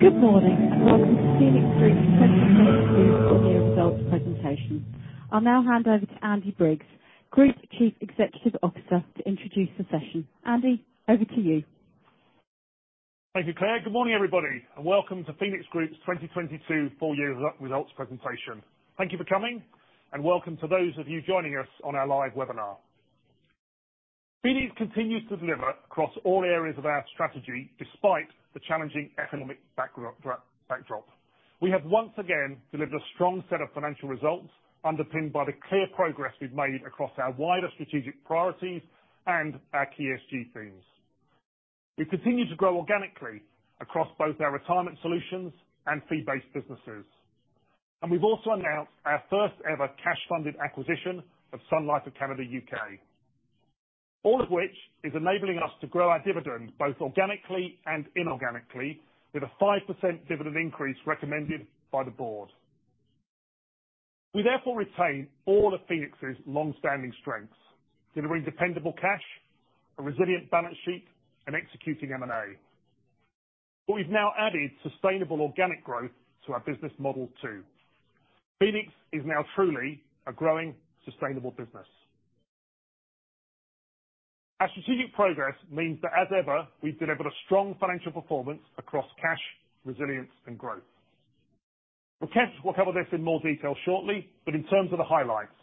Good morning, welcome to Phoenix Group's 2022 year results presentation. I'll now hand over to Andy Briggs, Group Chief Executive Officer, to introduce the session. Andy, over to you. Thank you, Claire. Good morning, everybody, welcome to Phoenix Group's 2022 full year results presentation. Thank you for coming, welcome to those of you joining us on our live webinar. Phoenix continues to deliver across all areas of our strategy, despite the challenging economic backdrop. We have, once again, delivered a strong set of financial results, underpinned by the clear progress we've made across our wider strategic priorities and our key ESG themes. We continue to grow organically across both our retirement solutions and fee-based businesses. We've also announced our first ever cash-funded acquisition of Sun Life of Canada UK. All of which is enabling us to grow our dividend, both organically and inorganically, with a 5% dividend increase recommended by the board. We therefore retain all of Phoenix's long-standing strengths, delivering dependable cash, a resilient balance sheet, and executing M&A. We've now added sustainable organic growth to our business model too. Phoenix is now truly a growing, sustainable business. Our strategic progress means that, as ever, we've delivered a strong financial performance across cash, resilience, and growth. Rakesh will cover this in more detail shortly, but in terms of the highlights,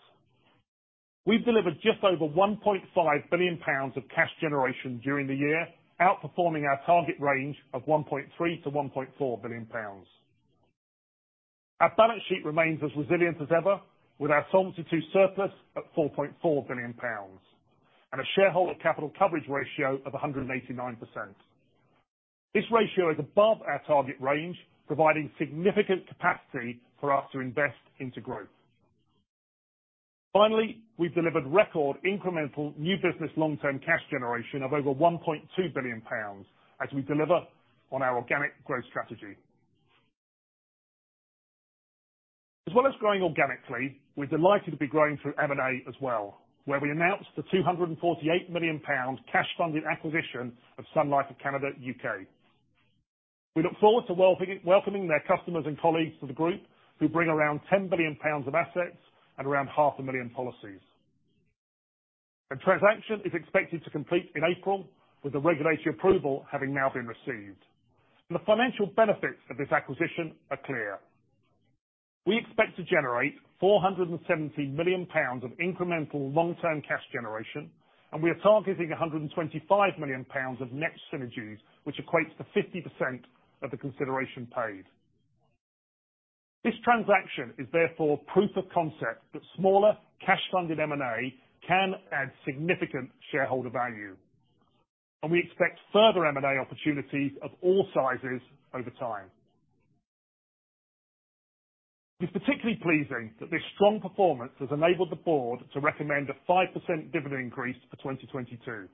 we've delivered just over 1.5 billion pounds of cash generation during the year, outperforming our target range of 1.3 billion-1.4 billion pounds. Our balance sheet remains as resilient as ever, with our solvency surplus at 4.4 billion pounds, and a shareholder capital coverage ratio of 189%. This ratio is above our target range, providing significant capacity for us to invest into growth. Finally, we've delivered record incremental new business long-term cash generation of over 1.2 billion pounds as we deliver on our organic growth strategy. As well as growing organically, we're delighted to be growing through M&A as well, where we announced the 248 million pound cash-funded acquisition of Sun Life of Canada UK. We look forward to welcoming their customers and colleagues to the group, who bring around 10 billion pounds of assets and around half a million policies. The transaction is expected to complete in April, with the regulatory approval having now been received. The financial benefits of this acquisition are clear. We expect to generate 470 million pounds of incremental long-term cash generation, and we are targeting 125 million pounds of net synergies, which equates to 50% of the consideration paid. This transaction is therefore proof of concept that smaller cash-funded M&A can add significant shareholder value, and we expect further M&A opportunities of all sizes over time. It's particularly pleasing that this strong performance has enabled the board to recommend a 5% dividend increase for 2022.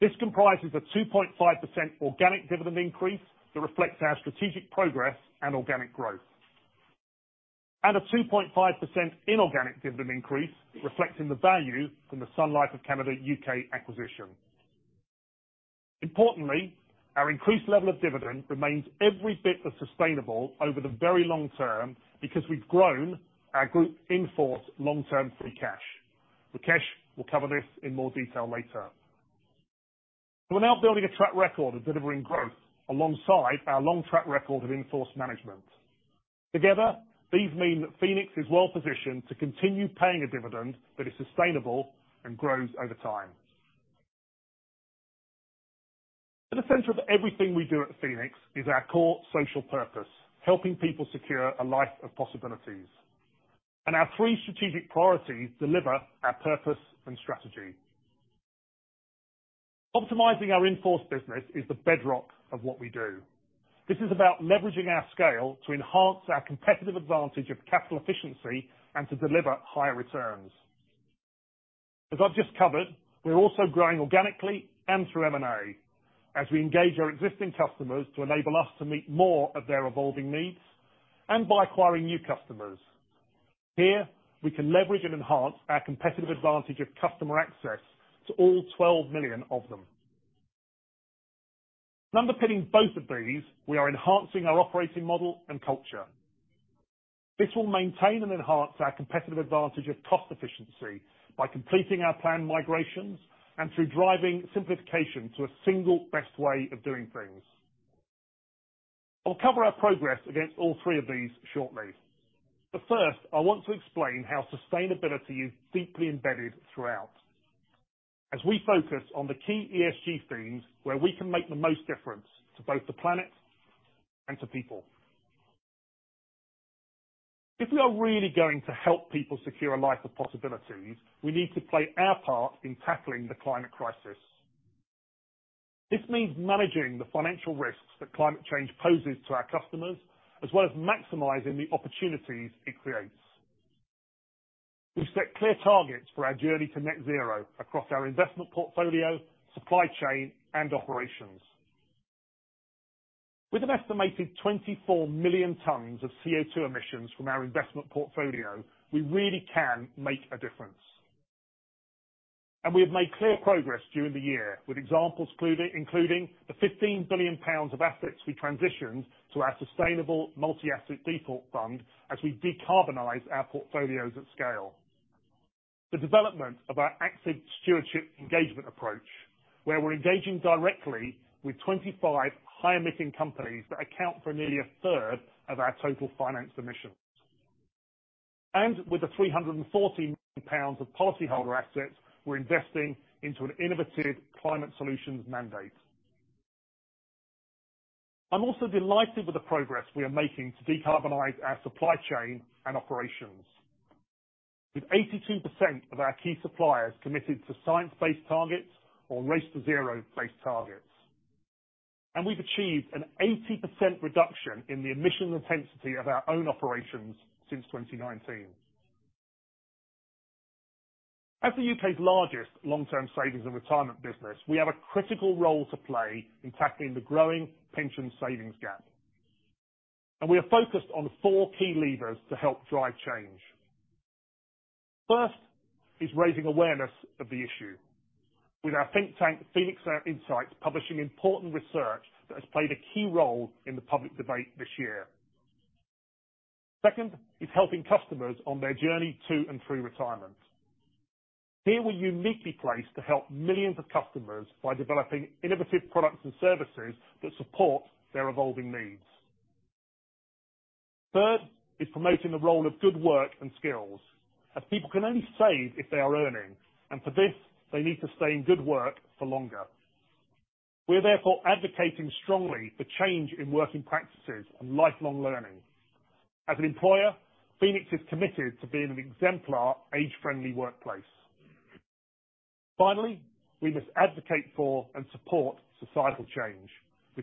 This comprises a 2.5% organic dividend increase that reflects our strategic progress and organic growth, and a 2.5% inorganic dividend increase, reflecting the value from the Sun Life of Canada UK acquisition. Importantly, our increased level of dividend remains every bit as sustainable over the very long-term because we've grown our group in-force long-term free cash. Rakesh will cover this in more detail later. We're now building a track record of delivering growth alongside our long track record of in-force management. Together, these mean that Phoenix is well-positioned to continue paying a dividend that is sustainable and grows over time. At the center of everything we do at Phoenix is our core social purpose: helping people secure a life of possibilities. Our three strategic priorities deliver our purpose and strategy. Optimizing our in-force business is the bedrock of what we do. This is about leveraging our scale to enhance our competitive advantage of capital efficiency and to deliver higher returns. As I've just covered, we're also growing organically and through M&A as we engage our existing customers to enable us to meet more of their evolving needs and by acquiring new customers. Here, we can leverage and enhance our competitive advantage of customer access to all 12 million of them. Underpinning both of these, we are enhancing our operating model and culture. This will maintain and enhance our competitive advantage of cost efficiency by completing our planned migrations and through driving simplification to a single best way of doing things. I'll cover our progress against all three of these shortly. First, I want to explain how sustainability is deeply embedded throughout as we focus on the key ESG themes where we can make the most difference to both the planet and to people. If we are really going to help people secure a life of possibilities, we need to play our part in tackling the climate crisis. This means managing the financial risks that climate change poses to our customers, as well as maximizing the opportunities it creates. We've set clear targets for our journey to net zero across our investment portfolio, supply chain, and operations. With an estimated 24 million tons of CO2 emissions from our investment portfolio, we really can make a difference. We have made clear progress during the year, with examples including the 15 billion pounds of assets we transitioned to our Sustainable Multi Asset default fund as we decarbonize our portfolios at scale. The development of our active stewardship engagement approach, where we're engaging directly with 25 high-emitting companies that account for nearly a third of our total financed emissions. With the 340 million pounds of policyholder assets we're investing into an innovative climate solutions mandate. I'm also delighted with the progress we are making to decarbonize our supply chain and operations. With 82% of our key suppliers committed to science-based targets or race-to-zero-based targets. We've achieved an 80% reduction in the emissions intensity of our own operations since 2019. As the U.K.'s largest long-term savings and retirement business, we have a critical role to play in tackling the growing pension savings gap. We are focused on four key levers to help drive change. First is raising awareness of the issue. With our t hink tank, Phoenix Insights, publishing important research that has played a key role in the public debate this year. Second is helping customers on their journey to and through retirement. Here, we're uniquely placed to help millions of customers by developing innovative products and services that support their evolving needs. Third is promoting the role of good work and skills, as people can only save if they are earning, and for this, they need to stay in good work for longer. We are therefore advocating strongly for change in working practices and lifelong learning. As an employer, Phoenix is committed to being an exemplar age-friendly workplace. Finally, we must advocate for and support societal change.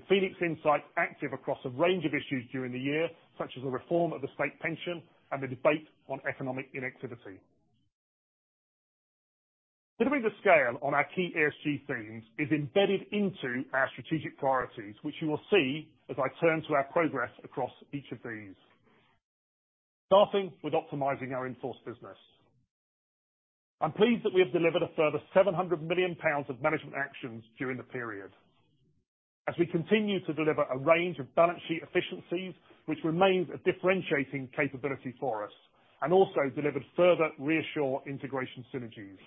Phoenix Insights active across a range of issues during the year, such as the reform of the state pension and the debate on economic inactivity. Delivering the scale on our key ESG themes is embedded into our strategic priorities, which you will see as I turn to our progress across each of these. Starting with optimizing our in-force business. I'm pleased that we have delivered a further 700 million pounds of management actions during the period, as we continue to deliver a range of balance sheet efficiencies, which remains a differentiating capability for us, and also delivered further ReAssure integration synergies.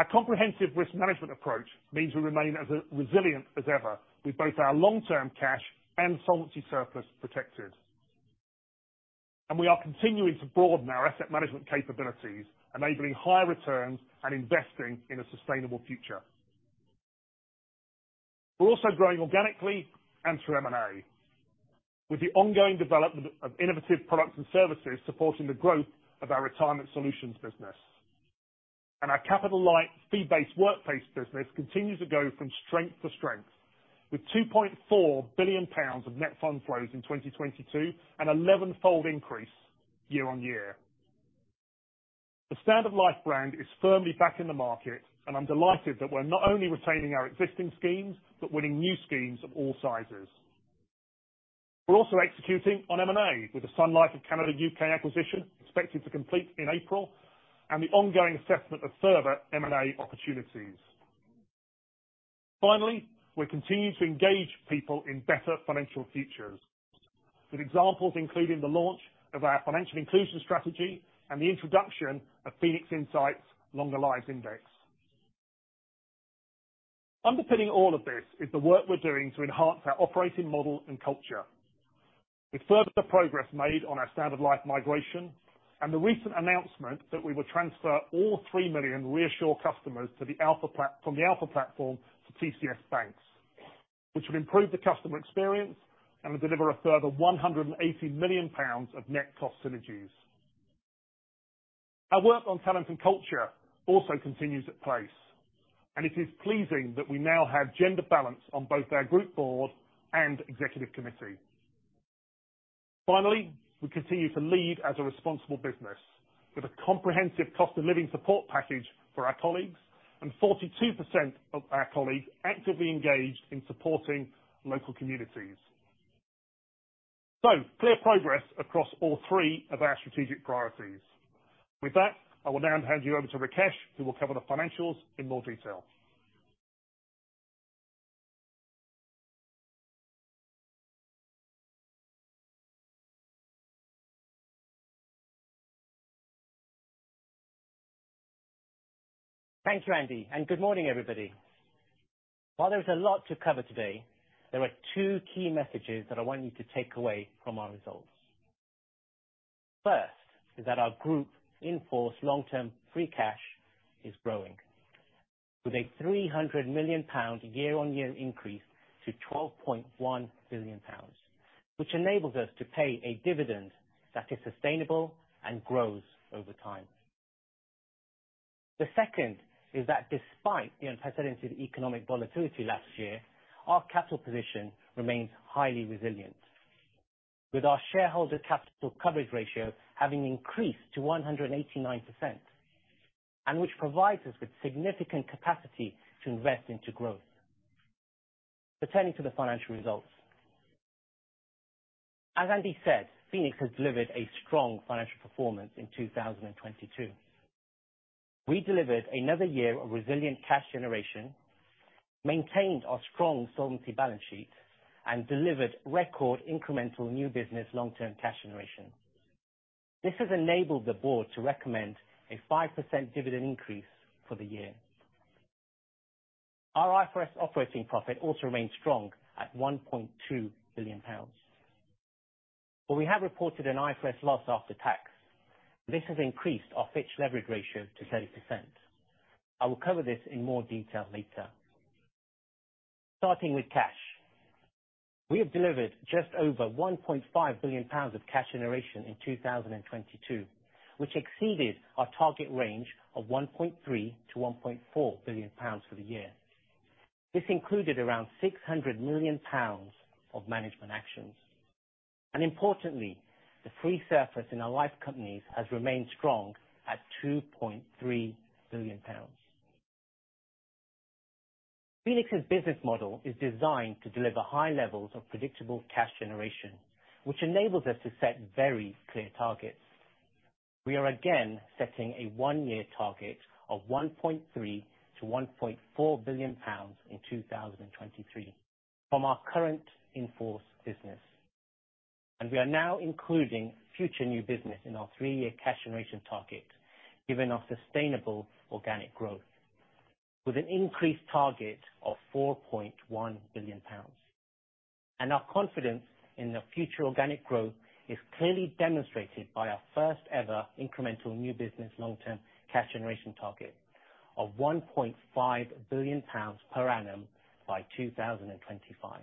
Our comprehensive risk management approach means we remain as resilient as ever with both our long-term cash and solvency surplus protected. We are continuing to broaden our asset management capabilities, enabling higher returns and investing in a sustainable future. We're also growing organically and through M&A. With the ongoing development of innovative products and services supporting the growth of our retirement solutions business. Our capital-light, fee-based workplace business continues to go from strength to strength. With 2.4 billion pounds of net fund flows in 2022, an 11-fold increase year-over-year. The Standard Life brand is firmly back in the market, and I'm delighted that we're not only retaining our existing schemes, but winning new schemes of all sizes. We're also executing on M&A, with the Sun Life of Canada UK acquisition expected to complete in April, and the ongoing assessment of further M&A opportunities. We continue to engage people in better financial futures, with examples including the launch of our financial inclusion strategy and the introduction of Phoenix Insights Longer Lives Index. Underpinning all of this is the work we're doing to enhance our operating model and culture. Further progress made on our Standard Life migration and the recent announcement that we will transfer all three million ReAssure customers from the Alpha platform to TCS BaNCS, which will improve the customer experience and deliver a further 180 million pounds of net cost synergies. Our work on talent and culture also continues apace, and it is pleasing that we now have gender balance on both our group board and executive committee. We continue to lead as a responsible business with a comprehensive cost of living support package for our colleagues, and 42% of our colleagues actively engaged in supporting local communities. Clear progress across all three of our strategic priorities. With that, I will now hand you over to Rakesh, who will cover the financials in more detail. Thanks, Andy, good morning, everybody. While there is a lot to cover today, there are two key messages that I want you to take away from our results. First is that our group in-force long-term free cash is growing with a 300 million pound year-on-year increase to 12.1 billion pounds, which enables us to pay a dividend that is sustainable and grows over time. The second is that despite the unprecedented economic volatility last year, our capital position remains highly resilient. With our shareholder capital coverage ratio having increased to 189%, which provides us with significant capacity to invest into growth. Returning to the financial results. As Andy said, Phoenix has delivered a strong financial performance in 2022. We delivered another year of resilient cash generation, maintained our strong solvency balance sheet, and delivered record incremental new business long-term cash generation. This has enabled the board to recommend a 5% dividend increase for the year. Our IFRS operating profit also remains strong at 1.2 billion pounds. We have reported an IFRS loss after tax. This has increased our Fitch leverage ratio to 30%. I will cover this in more detail later. Starting with cash. We have delivered just over 1.5 billion pounds of cash generation in 2022, which exceeded our target range of 1.3 billion-1.4 billion pounds for the year. This included around 600 million pounds of management actions. Importantly, the free surplus in our life companies has remained strong at 2.3 billion pounds. Phoenix's business model is designed to deliver high levels of predictable cash generation, which enables us to set very clear targets. We are again setting a one-year target of 1.3 billion-1.4 billion pounds in 2023 from our current in-force business. We are now including future new business in our three-year cash generation target, given our sustainable organic growth, with an increased target of 4.1 billion pounds. Our confidence in the future organic growth is clearly demonstrated by our first ever incremental new business long-term cash generation target of 1.5 billion pounds per annum by 2025.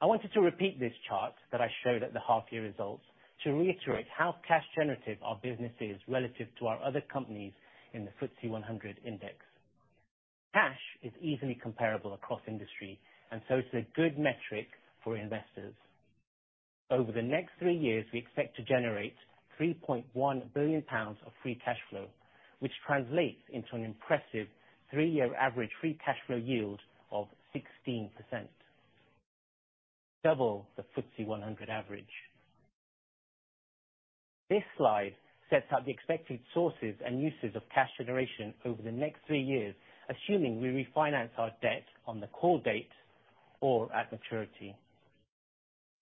I wanted to repeat this chart that I showed at the half year results to reiterate how cash generative our business is relative to our other companies in the FTSE 100 index. Cash is easily comparable across industry, and so it's a good metric for investors. Over the next three years, we expect to generate 3.1 billion pounds of free cash flow, which translates into an impressive three years average free cash flow yield of 16%. Double the FTSE 100 average. This slide sets out the expected sources and uses of cash generation over the next three years, assuming we refinance our debt on the call date or at maturity.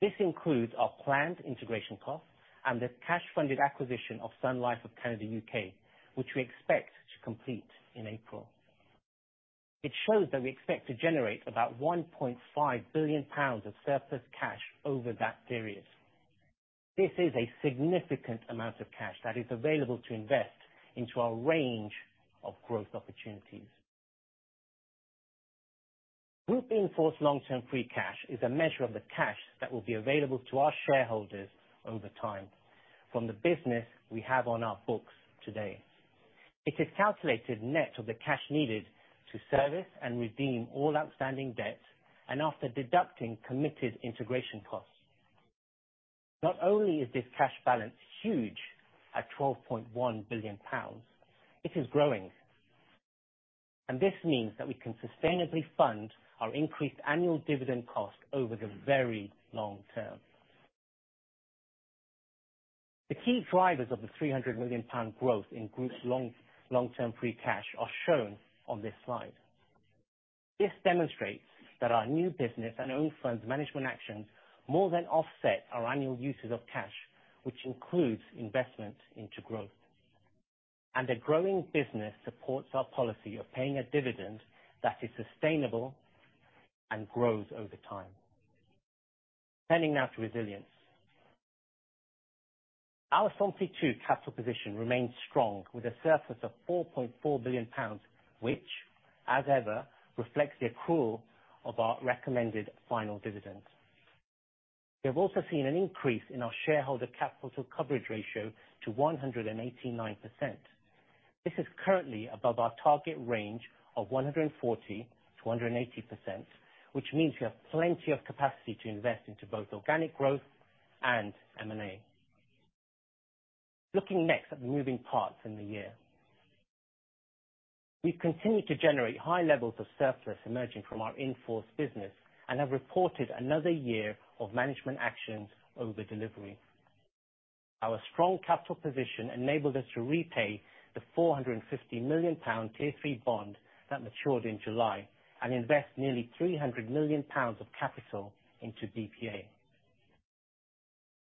This includes our planned integration costs and the cash-funded acquisition of Sun Life of Canada UK, which we expect to complete in April. It shows that we expect to generate about 1.5 billion pounds of surplus cash over that period. This is a significant amount of cash that is available to invest into our range of growth opportunities. Group in-force long-term free cash is a measure of the cash that will be available to our shareholders over time from the business we have on our books today. It is calculated net of the cash needed to service and redeem all outstanding debts, and after deducting committed integration costs. Not only is this cash balance huge, at 12.1 billion pounds, it is growing. This means that we can sustainably fund our increased annual dividend cost over the very long-term. The key drivers of the 300 million pound growth in Group's long-term free cash are shown on this slide. This demonstrates that our new business and own funds management actions more than offset our annual uses of cash, which includes investment into growth. A growing business supports our policy of paying a dividend that is sustainable and grows over time. Turning now to resilience. Our Solvency II capital position remains strong with a surplus of 4.4 billion pounds, which, as ever, reflects the accrual of our recommended final dividend. We have also seen an increase in our shareholder capital coverage ratio to 189%. This is currently above our target range of 140%-180%, which means we have plenty of capacity to invest into both organic growth and M&A. Looking next at the moving parts in the year. We've continued to generate high levels of surplus emerging from our in-force business and have reported another year of management actions over delivery. Our strong capital position enabled us to repay the 450 million pound tier-three bond that matured in July and invest nearly 300 million pounds of capital into DPA.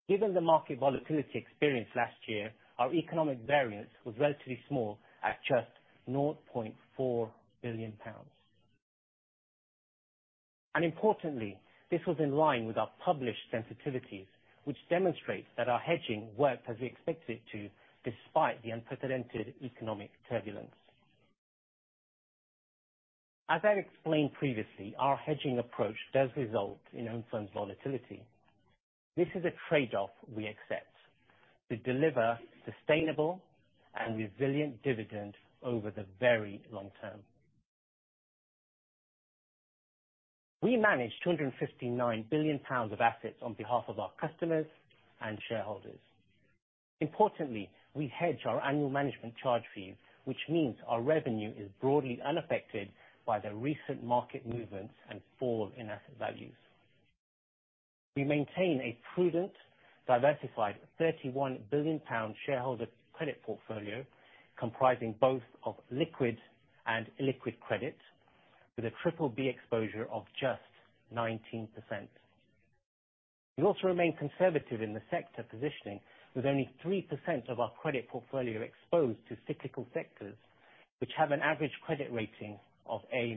Given the market volatility experienced last year, our economic variance was relatively small at just 0.4 billion pounds. Importantly, this was in line with our published sensitivities, which demonstrates that our hedging worked as we expected it to despite the unprecedented economic turbulence. As I explained previously, our hedging approach does result in own fund volatility. This is a trade-off we accept to deliver sustainable and resilient dividend over the very long-term. We manage 259 billion pounds of assets on behalf of our customers and shareholders. Importantly, we hedge our annual management charge fee, which means our revenue is broadly unaffected by the recent market movements and fall in asset values. We maintain a prudent, diversified 31 billion pound shareholder credit portfolio comprising both of liquid and illiquid credit with a triple B exposure of just 19%. We also remain conservative in the sector positioning with only 3% of our credit portfolio exposed to cyclical sectors, which have an average credit rating of A-.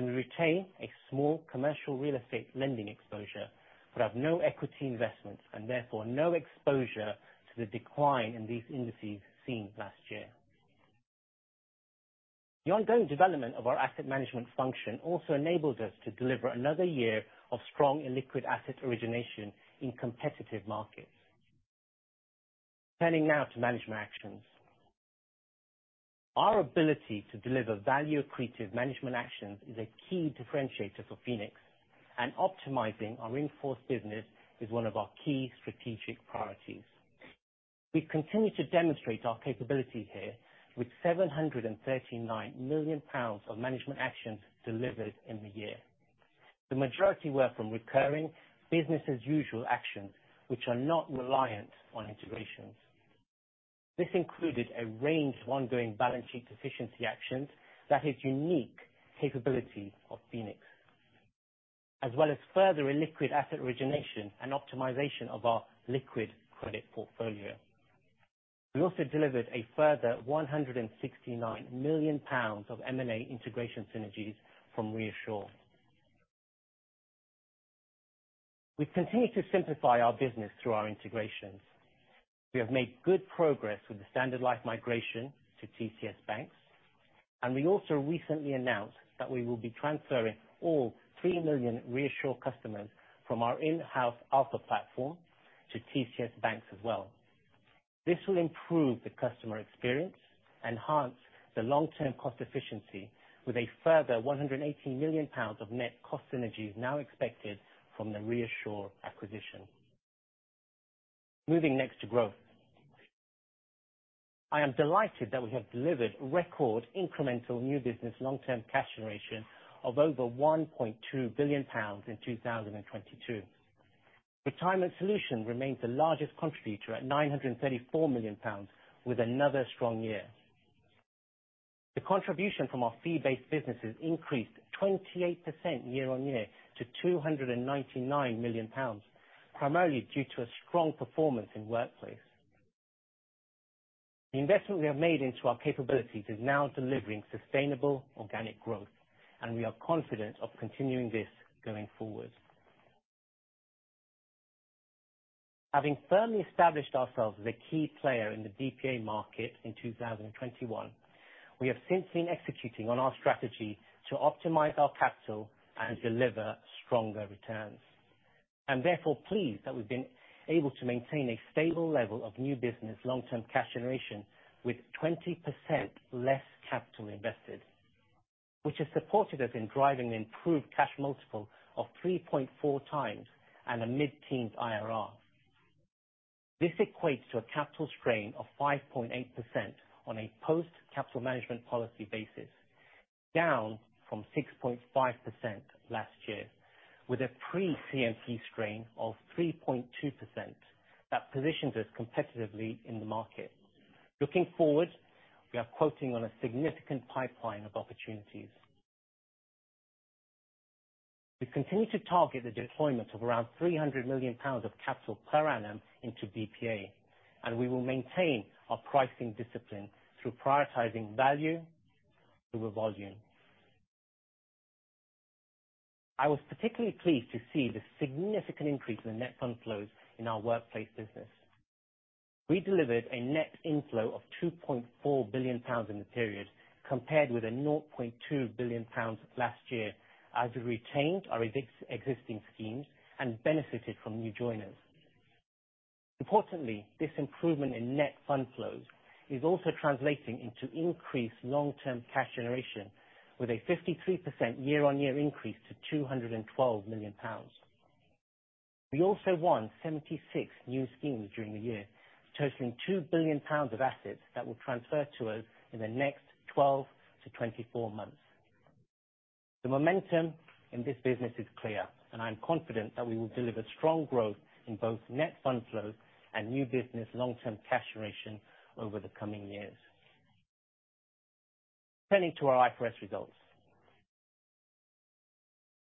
We retain a small commercial real estate lending exposure, but have no equity investment and therefore no exposure to the decline in these indices seen last year. The ongoing development of our asset management function also enables us to deliver another year of strong illiquid asset origination in competitive markets. Turning now to management actions. Our ability to deliver value-accretive management actions is a key differentiator for Phoenix, and optimizing our in-force business is one of our key strategic priorities. We continue to demonstrate our capabilities here with 739 million pounds of management actions delivered in the year. The majority were from recurring business as usual actions, which are not reliant on integrations. This included a range of ongoing balance sheet efficiency actions that is unique capabilities of Phoenix. As well as further illiquid asset origination and optimization of our liquid credit portfolio. We also delivered a further 169 million pounds of M&A integration synergies from ReAssure. We continue to simplify our business through our integrations. We have made good progress with the Standard Life migration to TCS BaNCS, and we also recently announced that we will be transferring all three million ReAssure customers from our in-house Alpha platform to TCS BaNCS as well. This will improve the customer experience, enhance the long-term cost efficiency with a further 118 million pounds of net cost synergies now expected from the ReAssure acquisition. Moving next to growth. I am delighted that we have delivered record incremental new business long-term cash generation of over 1.2 billion pounds in 2022. Retirement solution remains the largest contributor at 934 million pounds with another strong year. The contribution from our fee-based businesses increased 28% year-over-year to 299 million pounds, primarily due to a strong performance in workplace. The investment we have made into our capabilities is now delivering sustainable organic growth, and we are confident of continuing this going forward. Having firmly established ourselves as a key player in the DPA market in 2021, we have since been executing on our strategy to optimize our capital and deliver stronger returns. I'm therefore pleased that we've been able to maintain a stable level of new business long-term cash generation with 20% less capital invested, which has supported us in driving improved cash multiple of 3.4x and a mid-teen IRR. This equates to a capital strain of 5.8% on a post-capital management policy basis, down from 6.5% last year, with a pre-CMP strain of 3.2% that positions us competitively in the market. Looking forward, we are quoting on a significant pipeline of opportunities. We continue to target the deployment of around 300 million pounds of capital per annum into DPA, and we will maintain our pricing discipline through prioritizing value over volume. I was particularly pleased to see the significant increase in net fund flows in our workplace business. We delivered a net inflow of 2.4 billion pounds in the period, compared with a 0.2 billion pounds last year, as we retained our existing schemes and benefited from new joiners. Importantly, this improvement in net fund flows is also translating into increased long-term cash generation with a 53% year-on-year increase to 212 million pounds. We also won 76 new schemes during the year, totaling two billion pounds of assets that will transfer to us in the next 12-24 months. The momentum in this business is clear, and I'm confident that we will deliver strong growth in both net fund flows and new business long-term cash generation over the coming years. Turning to our IFRS results.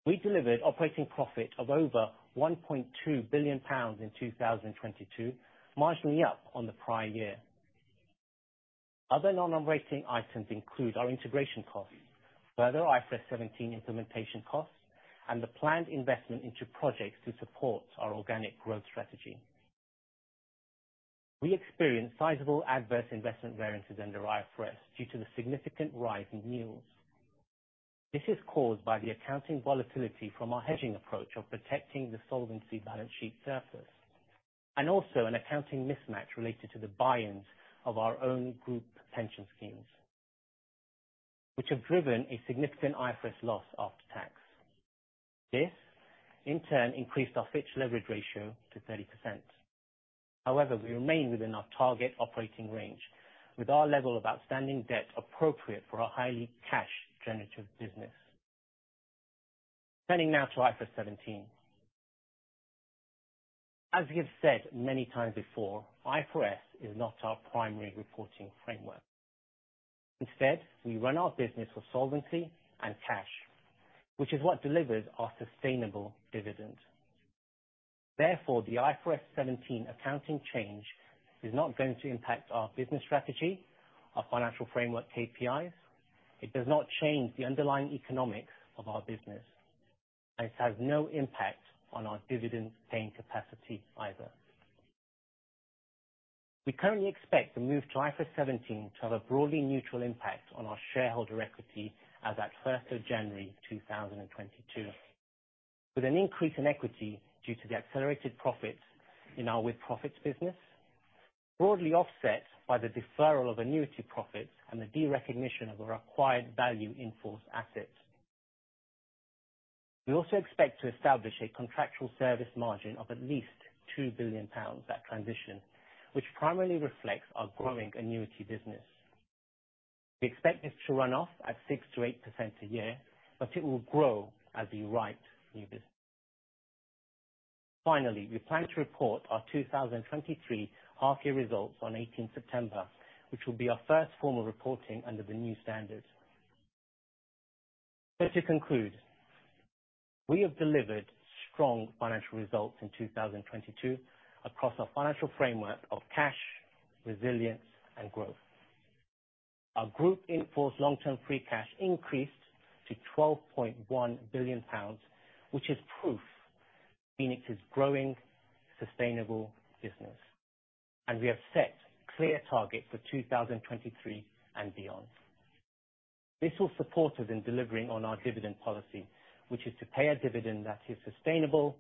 We delivered operating profit of over 1.2 billion pounds in 2022, marginally up on the prior year. Other non-operating items include our integration costs, further IFRS 17 implementation costs, and the planned investment into projects to support our organic growth strategy. We experienced sizable adverse investment variances under IFRS due to the significant rise in yields. This is caused by the accounting volatility from our hedging approach of protecting the solvency balance sheet surplus, and also an accounting mismatch related to the buy-ins of our own group pension schemes. Which have driven a significant IFRS loss after tax. This, in turn, increased our fixed leverage ratio to 30%. We remain within our target operating range, with our level of outstanding debt appropriate for our highly cash generative business. Turning now to IFRS 17. As we have said many times before, IFRS is not our primary reporting framework. Instead, we run our business for solvency and cash, which is what delivers our sustainable dividend. Therefore, the IFRS 17 accounting change is not going to impact our business strategy, our financial framework KPIs. It does not change the underlying economics of our business, and it has no impact on our dividend-paying capacity either. We currently expect the move to IFRS 17 to have a broadly neutral impact on our shareholder equity as at 1st of January 2022. With an increase in equity due to the accelerated profits in our with-profits business, broadly offset by the deferral of annuity profits and the derecognition of our acquired value in-force assets. We also expect to establish a contractual service margin of at least 2 billion pounds at transition, which primarily reflects our growing annuity business. We expect this to run off at 6%-8% a year, but it will grow as we write new business. We plan to report our 2023 half year results on September 18th, which will be our first formal reporting under the new standard. To conclude, we have delivered strong financial results in 2022 across our financial framework of cash, resilience, and growth. Our group in-force long-term free cash increased to 12.1 billion pounds, which is proof Phoenix is growing sustainable business. We have set clear targets for 2023 and beyond. This will support us in delivering on our dividend policy, which is to pay a dividend that is sustainable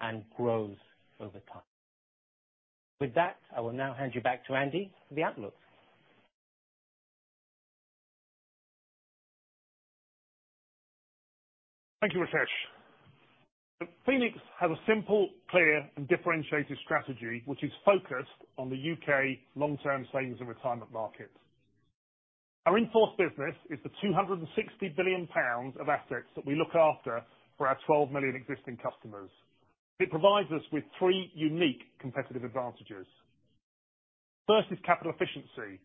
and grows over time. With that, I will now hand you back to Andy for the outlook. Thank you, Rakesh. Phoenix has a simple, clear, and differentiated strategy which is focused on the UK long-term savings and retirement market. Our in-force business is the 260 billion pounds of assets that we look after for our 12 million existing customers. It provides us with three unique competitive advantages. First is capital efficiency,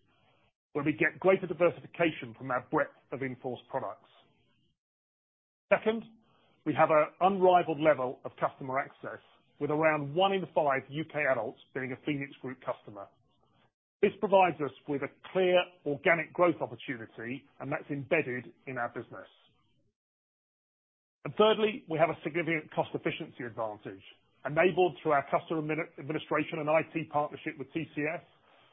where we get greater diversification from our breadth of in-force products. Second, we have an unrivaled level of customer access with around one in five UK adults being a Phoenix Group customer. This provides us with a clear organic growth opportunity, and that's embedded in our business. Thirdly, we have a significant cost efficiency advantage enabled through our customer administration and IT partnership with TCS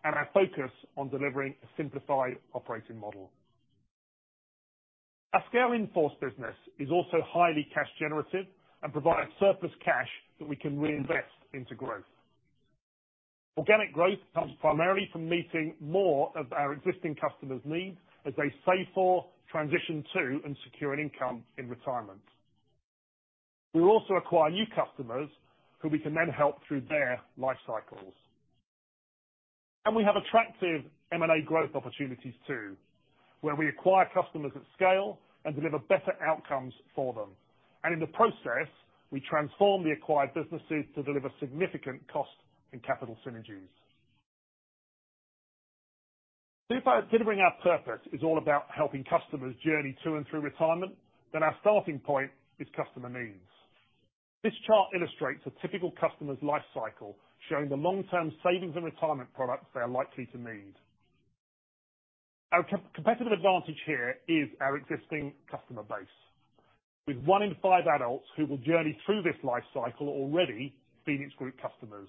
and our focus on delivering a simplified operating model. Our scale in-force business is also highly cash generative and provides surplus cash that we can reinvest into growth. Organic growth comes primarily from meeting more of our existing customers' needs as they save for, transition to, and secure an income in retirement. We will also acquire new customers who we can then help through their life cycles. We have attractive M&A growth opportunities too, where we acquire customers at scale and deliver better outcomes for them. In the process, we transform the acquired businesses to deliver significant cost and capital synergies. If delivering our purpose is all about helping customers journey to and through retirement, then our starting point is customer needs. This chart illustrates a typical customer's life cycle, showing the long-term savings and retirement products they are likely to need. Our competitive advantage here is our existing customer base. With one in five adults who will journey through this life cycle already Phoenix Group customers,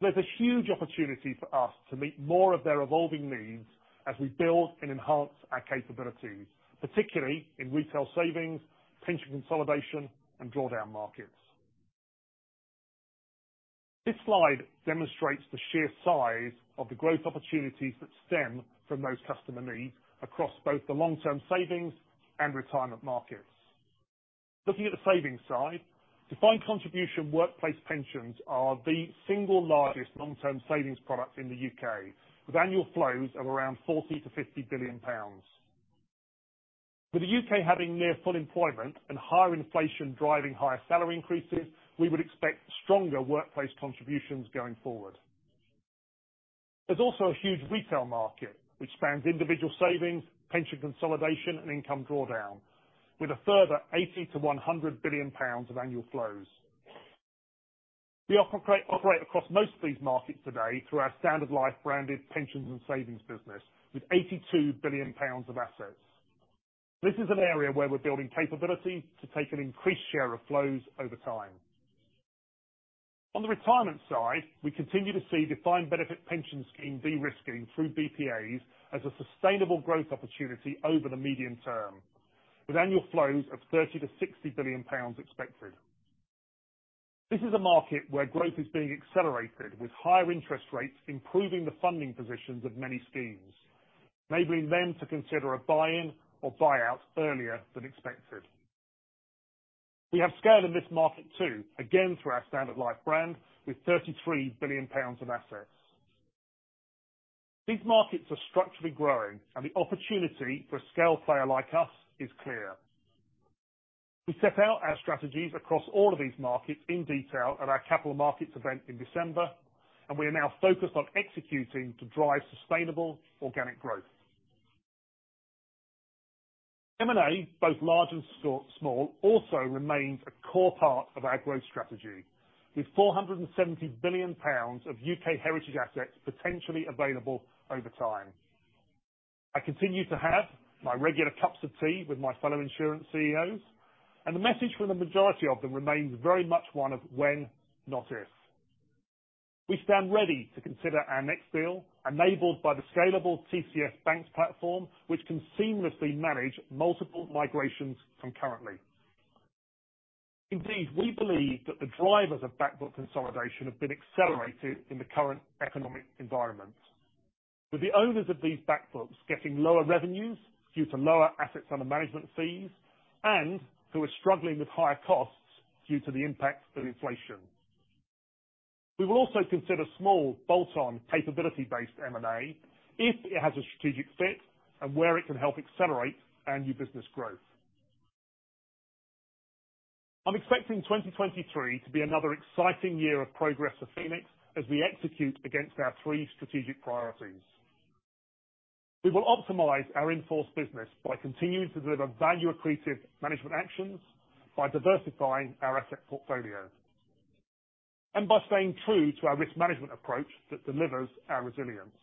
there's a huge opportunity for us to meet more of their evolving needs as we build and enhance our capabilities, particularly in retail savings, pension consolidation, and drawdown markets. This slide demonstrates the sheer size of the growth opportunities that stem from those customer needs across both the long-term savings and retirement markets. Looking at the savings side, defined contribution workplace pensions are the single largest long-term savings product in the U.K., with annual flows of around 40 billion-50 billion pounds. With the U.K. having near full employment and higher inflation driving higher salary increases, we would expect stronger workplace contributions going forward. There's also a huge retail market, which spans individual savings, pension consolidation, and income drawdown, with a further 80 billion-100 billion pounds of annual flows. We operate across most of these markets today through our Standard Life-branded pensions and savings business with 82 billion pounds of assets. This is an area where we're building capability to take an increased share of flows over time. On the retirement side, we continue to see defined benefit pension scheme de-risking through BPAs as a sustainable growth opportunity over the medium-term, with annual flows of 30 billion-60 billion pounds expected. This is a market where growth is being accelerated with higher interest rates, improving the funding positions of many schemes, enabling them to consider a buy-in or buyout earlier than expected. We have scale in this market too, again, through our Standard Life brand with 33 billion pounds of assets. These markets are structurally growing and the opportunity for a scale player like us is clear. We set out our strategies across all of these markets in detail at our capital markets event in December. We are now focused on executing to drive sustainable organic growth. M&A, both large and small, also remains a core part of our growth strategy. With 470 billion pounds of U.K. heritage assets potentially available over time. I continue to have my regular cups of tea with my fellow insurance CEOs. The message from the majority of them remains very much one of when, not if. We stand ready to consider our next deal enabled by the scalable TCS BaNCS platform, which can seamlessly manage multiple migrations concurrently. We believe that the drivers of back book consolidation have been accelerated in the current economic environment. With the owners of these back books getting lower revenues due to lower assets under management fees, who are struggling with higher costs due to the impact of inflation. We will also consider small bolt-on capability based M&A if it has a strategic fit and where it can help accelerate our new business growth. I'm expecting 2023 to be another exciting year of progress for Phoenix as we execute against our three strategic priorities. We will optimize our in-force business by continuing to deliver value-accretive management actions, by diversifying our asset portfolio, and by staying true to our risk management approach that delivers our resilience.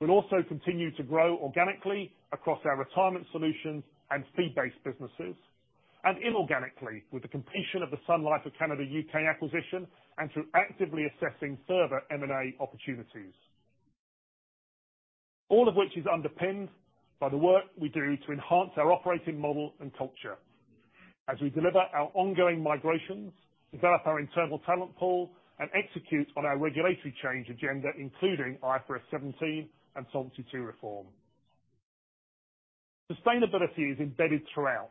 We'll also continue to grow organically across our retirement solutions and fee-based businesses, and inorganically with the completion of the Sun Life of Canada UK acquisition and through actively assessing further M&A opportunities. All of which is underpinned by the work we do to enhance our operating model and culture as we deliver our ongoing migrations, develop our internal talent pool, and execute on our regulatory change agenda, including IFRS 17 and Solvency II reform. Sustainability is embedded throughout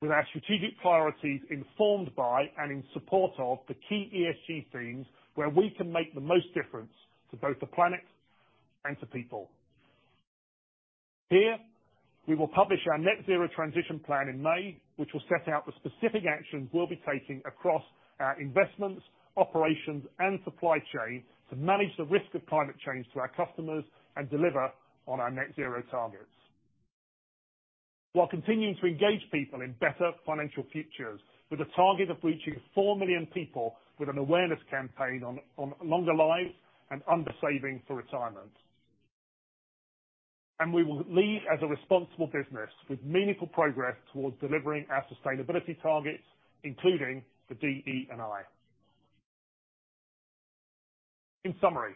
with our strategic priorities informed by and in support of the key ESG themes where we can make the most difference to both the planet and to people. Here, we will publish our net zero transition plan in May, which will set out the specific actions we'll be taking across our investments, operations, and supply chain to manage the risk of climate change to our customers and deliver on our net zero targets. While continuing to engage people in better financial futures with a target of reaching four million people with an awareness campaign on longer life and under saving for retirement. We will lead as a responsible business with meaningful progress towards delivering our sustainability targets, including for DE&I. In summary,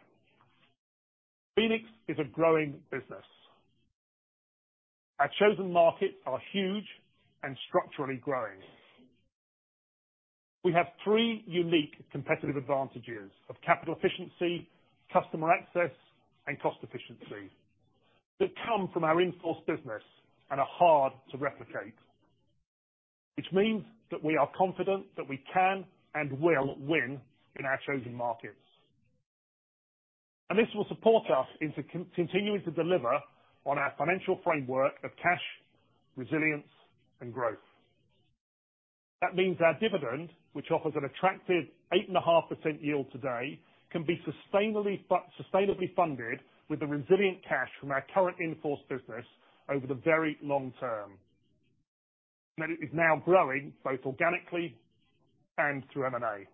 Phoenix is a growing business. Our chosen markets are huge and structurally growing. We have three unique competitive advantages of capital efficiency, customer access, and cost efficiency that come from our in-force business and are hard to replicate. Which means that we are confident that we can and will win in our chosen markets. This will support us in continuing to deliver on our financial framework of cash, resilience, and growth. That means our dividend, which offers an attractive 8.5% yield today, can be sustainably funded with the resilient cash from our current in-force business over the verylong-term. It is now growing both organically and through M&A.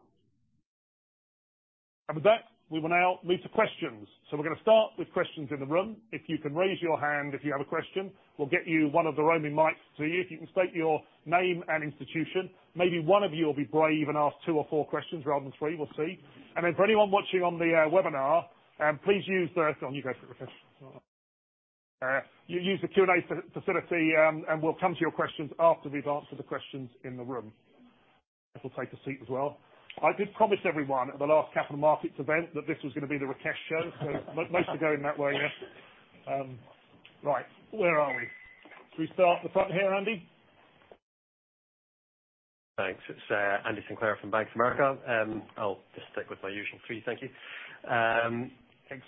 With that, we will now move to questions. We're gonna start with questions in the room. If you can raise your hand if you have a question. We'll get you one of the roaming mics to you. If you can state your name and institution, maybe one of you will be brave and ask two or four questions rather than three. We'll see. For anyone watching on the webinar, please use the Oh, you go on, Rakesh. You use the Q&A facility, and we'll come to your questions after we've answered the questions in the room. Rakesh will take a seat as well. I did promise everyone at the last capital markets event that this was gonna be the Rakesh show. Most to go in that way, yeah. Right. Where are we? Should we start at the front here, Andy? Thanks. It's Andy Sinclair from Bank of America. I'll just stick with my usual three, thank you. Thanks.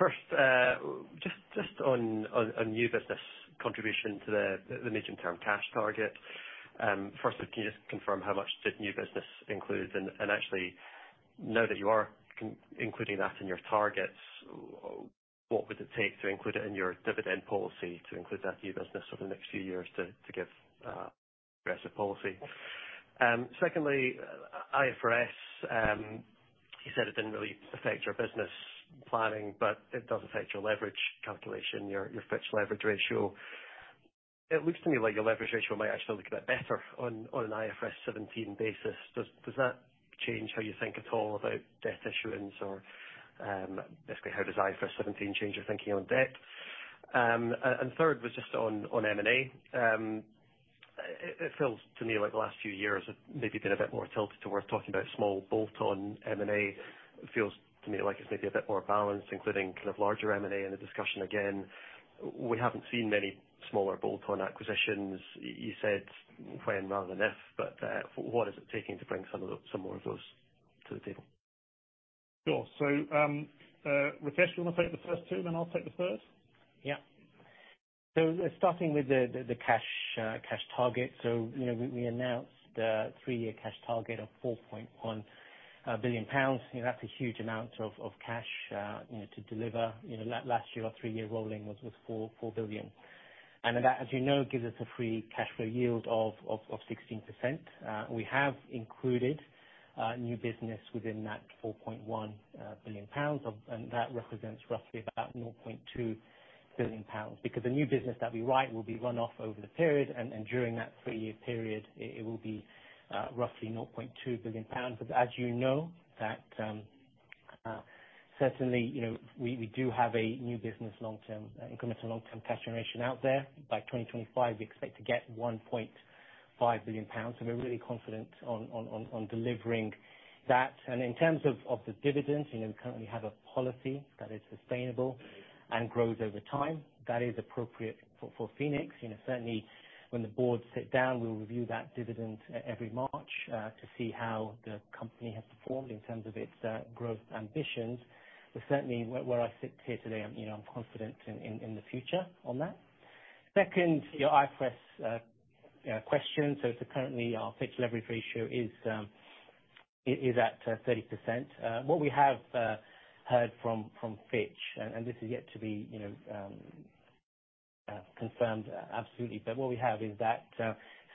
First, just on new business contribution to the midterm cash target. First can you just confirm how much did new business include? Actually, now that you are including that in your targets, what would it take to include it in your dividend policy to include that new business over the next few years to give a progressive policy? Secondly, IFRS, you said it didn't really affect your business planning, but it does affect your leverage calculation, your fixed leverage ratio. It looks to me like your leverage ratio might actually look a bit better on an IFRS 17 basis. Does that change how you think at all about debt issuance or, basically how does IFRS 17 change your thinking on debt? Third was just on M&A. It feels to me like the last few years have maybe been a bit more tilted towards talking about small bolt-on M&A. It feels to me like it's maybe a bit more balanced, including kind of larger M&A in the discussion again. We haven't seen many smaller bolt-on acquisitions. You said when rather than if, but, what is it taking to bring some more of those to the table? Sure. Rakesh, you wanna take the first two then I'll take the third? Yeah. Starting with the cash target. You know, we announced a three-year cash target of 4.1 billion pounds. You know, that's a huge amount of cash, you know, to deliver. You know, last year, our three-year rolling was 4 billion. That, as you know, gives us a free cash flow yield of 16%. We have included new business within that 4.1 billion pounds of... and that represents roughly about 0.2 billion pounds. Because the new business that we write will be run off over the period and during that three-year period, it will be roughly 0.2 billion pounds. As you know, that, certainly, you know, we do have a new business long-term, incremental long-term cash generation out there. By 2025, we expect to get 1.5 billion pounds, and we're really confident on delivering that. In terms of the dividend, you know, we currently have a policy that is sustainable and grows over time. That is appropriate for Phoenix. You know, certainly when the boards sit down, we'll review that dividend every March, to see how the company has performed in terms of its growth ambitions. Certainly where I sit here today, I'm, you know, I'm confident in the future on that. Second, your IFRS, you know, question. Currently our Fitch leverage ratio is at 30%. What we have heard from Fitch, and this is yet to be, you know, confirmed absolutely, but what we have is that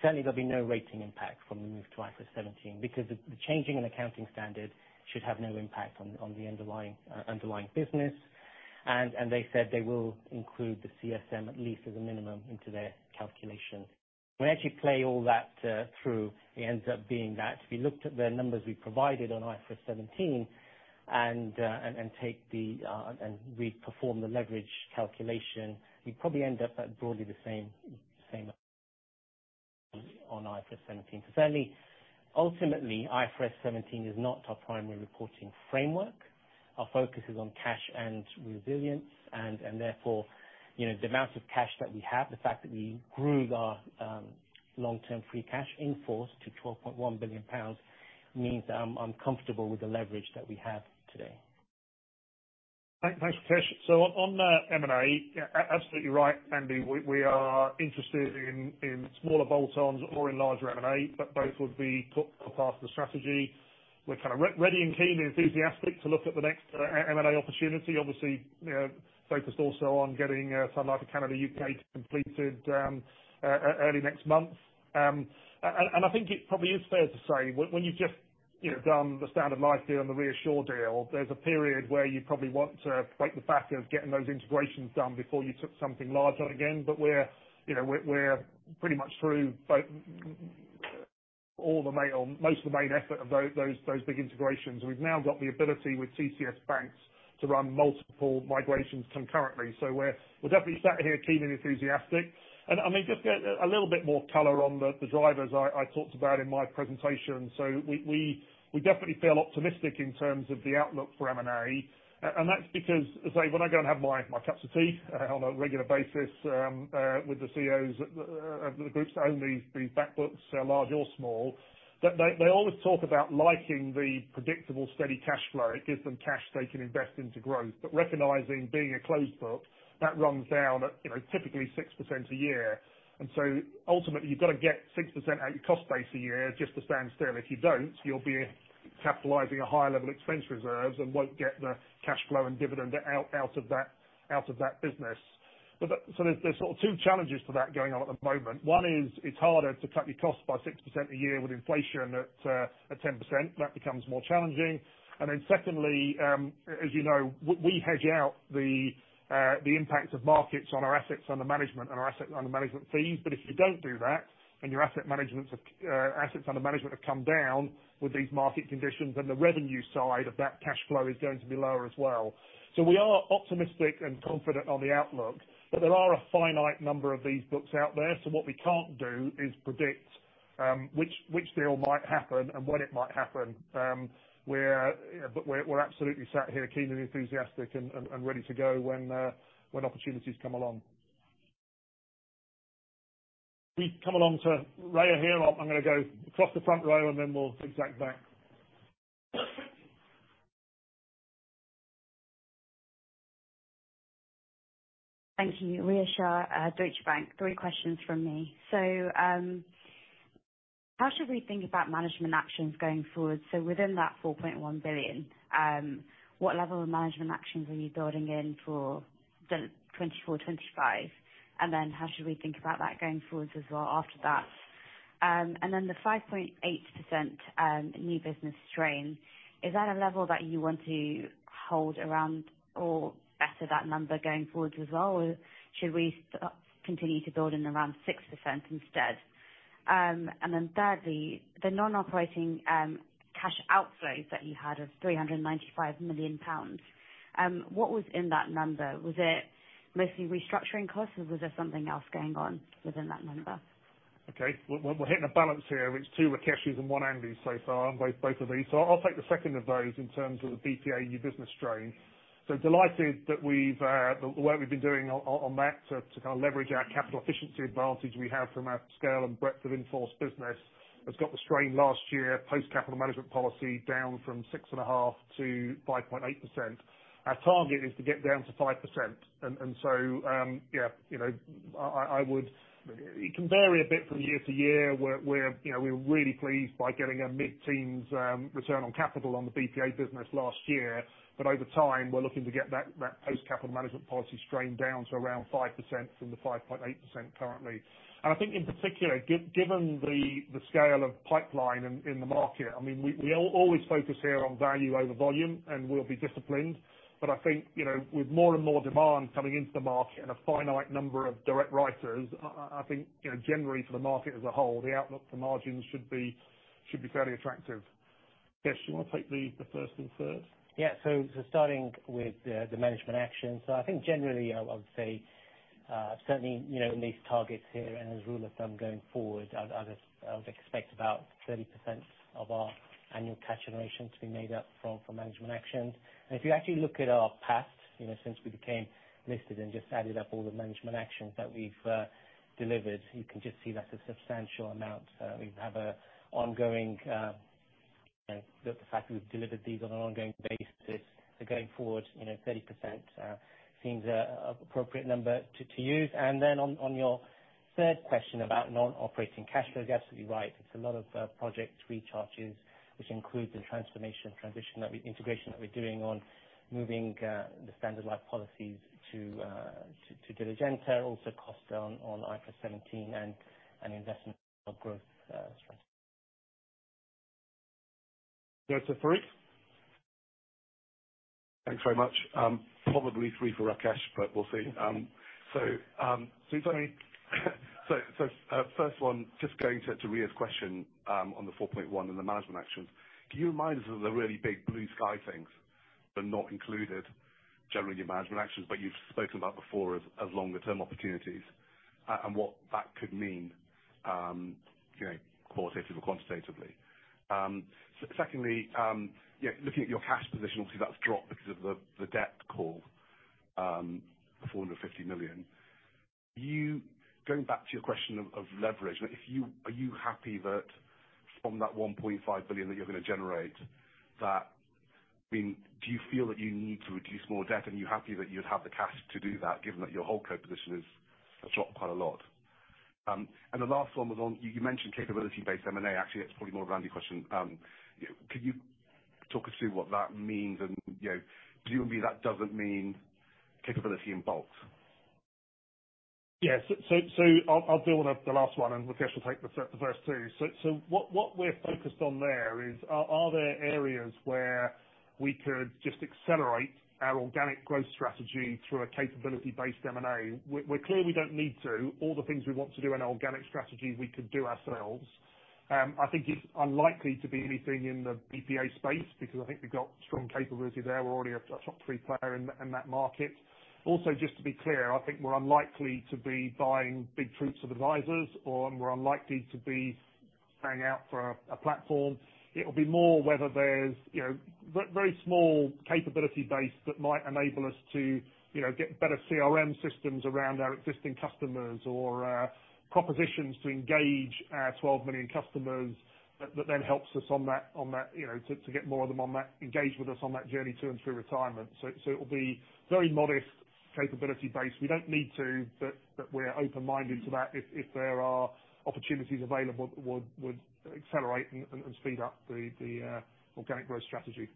certainly there'll be no rating impact from the move to IFRS 17 because the changing in accounting standard should have no impact on the underlying business. They said they will include the CSM at least as a minimum into their calculation. When you actually play all that through, it ends up being that if you looked at the numbers we provided on IFRS 17 and we perform the leverage calculation, we probably end up at broadly the same on IFRS 17. Certainly, ultimately, IFRS 17 is not our primary reporting framework. Our focus is on cash and resilience and therefore, you know, the amount of cash that we have, the fact that we grew our long-term free cash in force to 12.1 billion pounds means that I'm comfortable with the leverage that we have today. Thanks, Rakesh. On M&A, yeah, absolutely right, Andy. We are interested in smaller bolt-ons or in larger M&A, but both would be part of the strategy. We're kind of ready and keen and enthusiastic to look at the next M&A opportunity. Obviously, you know, focused also on getting Sun Life Canada, U.K. completed early next month. I think it probably is fair to say when you've just, you know, done the Standard Life deal and the ReAssure deal, there's a period where you probably want to bite the fact of getting those integrations done before you took something larger again. We're, you know, we're pretty much through most of the main effort of those big integrations. We've now got the ability with TCS BaNCS to run multiple migrations concurrently. We're definitely sat here keen and enthusiastic. I mean, just a little bit more color on the drivers I talked about in my presentation. We definitely feel optimistic in terms of the outlook for M&A. And that's because, as I say, when I go and have my cups of tea on a regular basis with the CEOs of the groups that own these back books, large or small, they always talk about liking the predictable, steady cash flow. It gives them cash they can invest into growth. Recognizing being a closed book, that runs down at, you know, typically 6% a year. Ultimately, you've got to get 6% out your cost base a year just to stand still. If you don't, you'll be capitalizing a higher level expense reserves and won't get the cash flow and dividend out of that business. There's sort of two challenges to that going on at the moment. One is it's harder to cut your costs by 6% a year with inflation at 10%. That becomes more challenging. Secondly, as you know, we hedge out the impact of markets on our assets under management and our asset under management fees. If you don't do that, and your asset management assets under management have come down with these market conditions, then the revenue side of that cash flow is going to be lower as well. We are optimistic and confident on the outlook, but there are a finite number of these books out there. What we can't do is predict, which deal might happen and when it might happen. We're, you know, but we're absolutely sat here keen and enthusiastic and ready to go when opportunities come along. We come along to Rhea here. I'm gonna go across the front row, and then we'll zigzag back. Thank you. Rhea Shah, Deutsche Bank. Three questions from me. How should we think about management actions going forward? Within that 4.1 billion, what level of management actions are you building in for 2024, 2025? How should we think about that going forward as well after that? The 5.8% new business strain, is that a level that you want to hold around or better that number going forward as well? Should we continue to build in around 6% instead? Thirdly, the non-operating cash outflows that you had of 395 million pounds, what was in that number? Was it mostly restructuring costs or was there something else going on within that number? Okay. We're hitting a balance here with two Rakesh's and one Andy so far on both of these. I'll take the second of those in terms of the BPA new business strain. Delighted that we've the work we've been doing on that to kind of leverage our capital efficiency advantage we have from our scale and breadth of in-force business. Has got the strain last year, post capital management policy down from 6.5% to 5.8%. Our target is to get down to 5%. Yeah, you know, it can vary a bit from year to year. We're, you know, we're really pleased by getting a mid-teens return on capital on the BPA business last year. Over time, we're looking to get that post capital management policy strain down to around 5% from the 5.8% currently. I think in particular, given the scale of pipeline in the market, I mean, we always focus here on value over volume, and we'll be disciplined. I think, you know, with more and more demand coming into the market and a finite number of direct writers, I think, you know, generally for the market as a whole, the outlook for margins should be fairly attractive. Yes, do you want to take the first and third? Starting with the management action. I think generally, I would say, certainly, you know, in these targets here and as a rule of thumb going forward, I would expect about 30% of our annual cash generation to be made up from management actions. If you actually look at our past, you know, since we became listed and just added up all the management actions that we've delivered, you can just see that's a substantial amount. We have an ongoing, you know, the fact that we've delivered these on an ongoing basis, going forward, you know, 30% seems an appropriate number to use. Then on your third question about non-operating cash flows, you're absolutely right. It's a lot of project recharges, which includes the transformation, transition that we integration that we're doing on moving, the Standard Life policies to Diligenta. Also costs on IFRS 17 and investment of growth. Over to Fred. Thanks very much. Probably three for Rakesh, but we'll see. Tell me first one, just going to Rhea's question on the 4.1 and the management actions. Can you remind us of the really big blue sky things that are not included, generally in your management actions, but you've spoken about before as longer term opportunities, and what that could mean, you know, qualitatively or quantitatively? Secondly, you know, looking at your cash position, obviously that's dropped because of the debt call, 450 million. Going back to your question of leverage. Are you happy that from that 1.5 billion that you're going to generate, I mean, do you feel that you need to reduce more debt? Are you happy that you'd have the cash to do that, given that your whole code position has dropped quite a lot? The last one was on, you mentioned capability-based M&A. Actually, that's probably more of Rakesh's question. Could you talk us through what that means? You know, to you and me, that doesn't mean capability in bulk. Yeah. I'll deal with the last one, and Rakesh will take the first two. What we're focused on there is are there areas where we could just accelerate our organic growth strategy through a capability-based M&A? We clearly don't need to. All the things we want to do in organic strategy we could do ourselves. I think it's unlikely to be anything in the BPA space because I think we've got strong capability there. We're already a top three player in that market. Just to be clear, I think we're unlikely to be buying big troops of advisors, or we're unlikely to be paying out for a platform. It will be more whether there's, you know, very small capability base that might enable us to, you know, get better CRM systems around our existing customers or propositions to engage our 12 million customers. That then helps us on that, on that, you know, to get more of them on that engaged with us on that journey to and through retirement. It'll be very modest capability base. We don't need to, but we're open-minded to that. If there are opportunities available that would accelerate and speed up the organic growth strategy.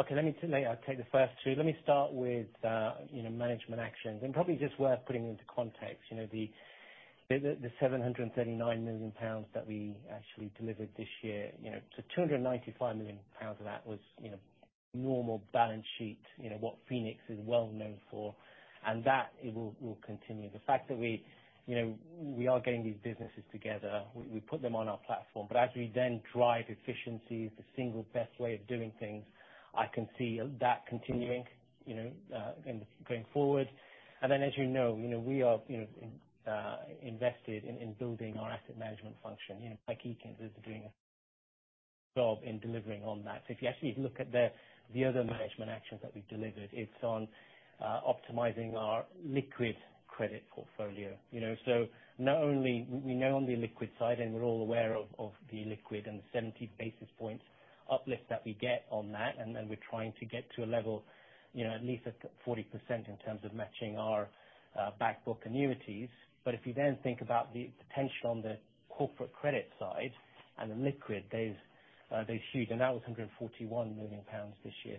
Okay, let me take, I'll take the first two. Let me start with, you know, management actions, probably just worth putting into context. You know, the 739 million pounds that we actually delivered this year. You know, 295 million pounds of that was, you know, normal balance sheet, you know, what Phoenix is well known for. That it will continue. The fact that we, you know, we are getting these businesses together, we put them on our platform. As we then drive efficiencies, the single best way of doing things, I can see that continuing, you know, going forward. As you know, you know, we are, you know, invested in building our asset management function. You know, Nike can visit doing a job in delivering on that. If you actually look at the other management actions that we delivered, it's on optimizing our liquid credit portfolio. You know, not only, you know, on the liquid side, and we're all aware of the liquid and the 70 basis points uplift that we get on that. And we're trying to get to a level, you know, at least at 40% in terms of matching our back book annuities. If you then think about the potential on the corporate credit side and the liquid, they're huge. That was 141 million pounds this year.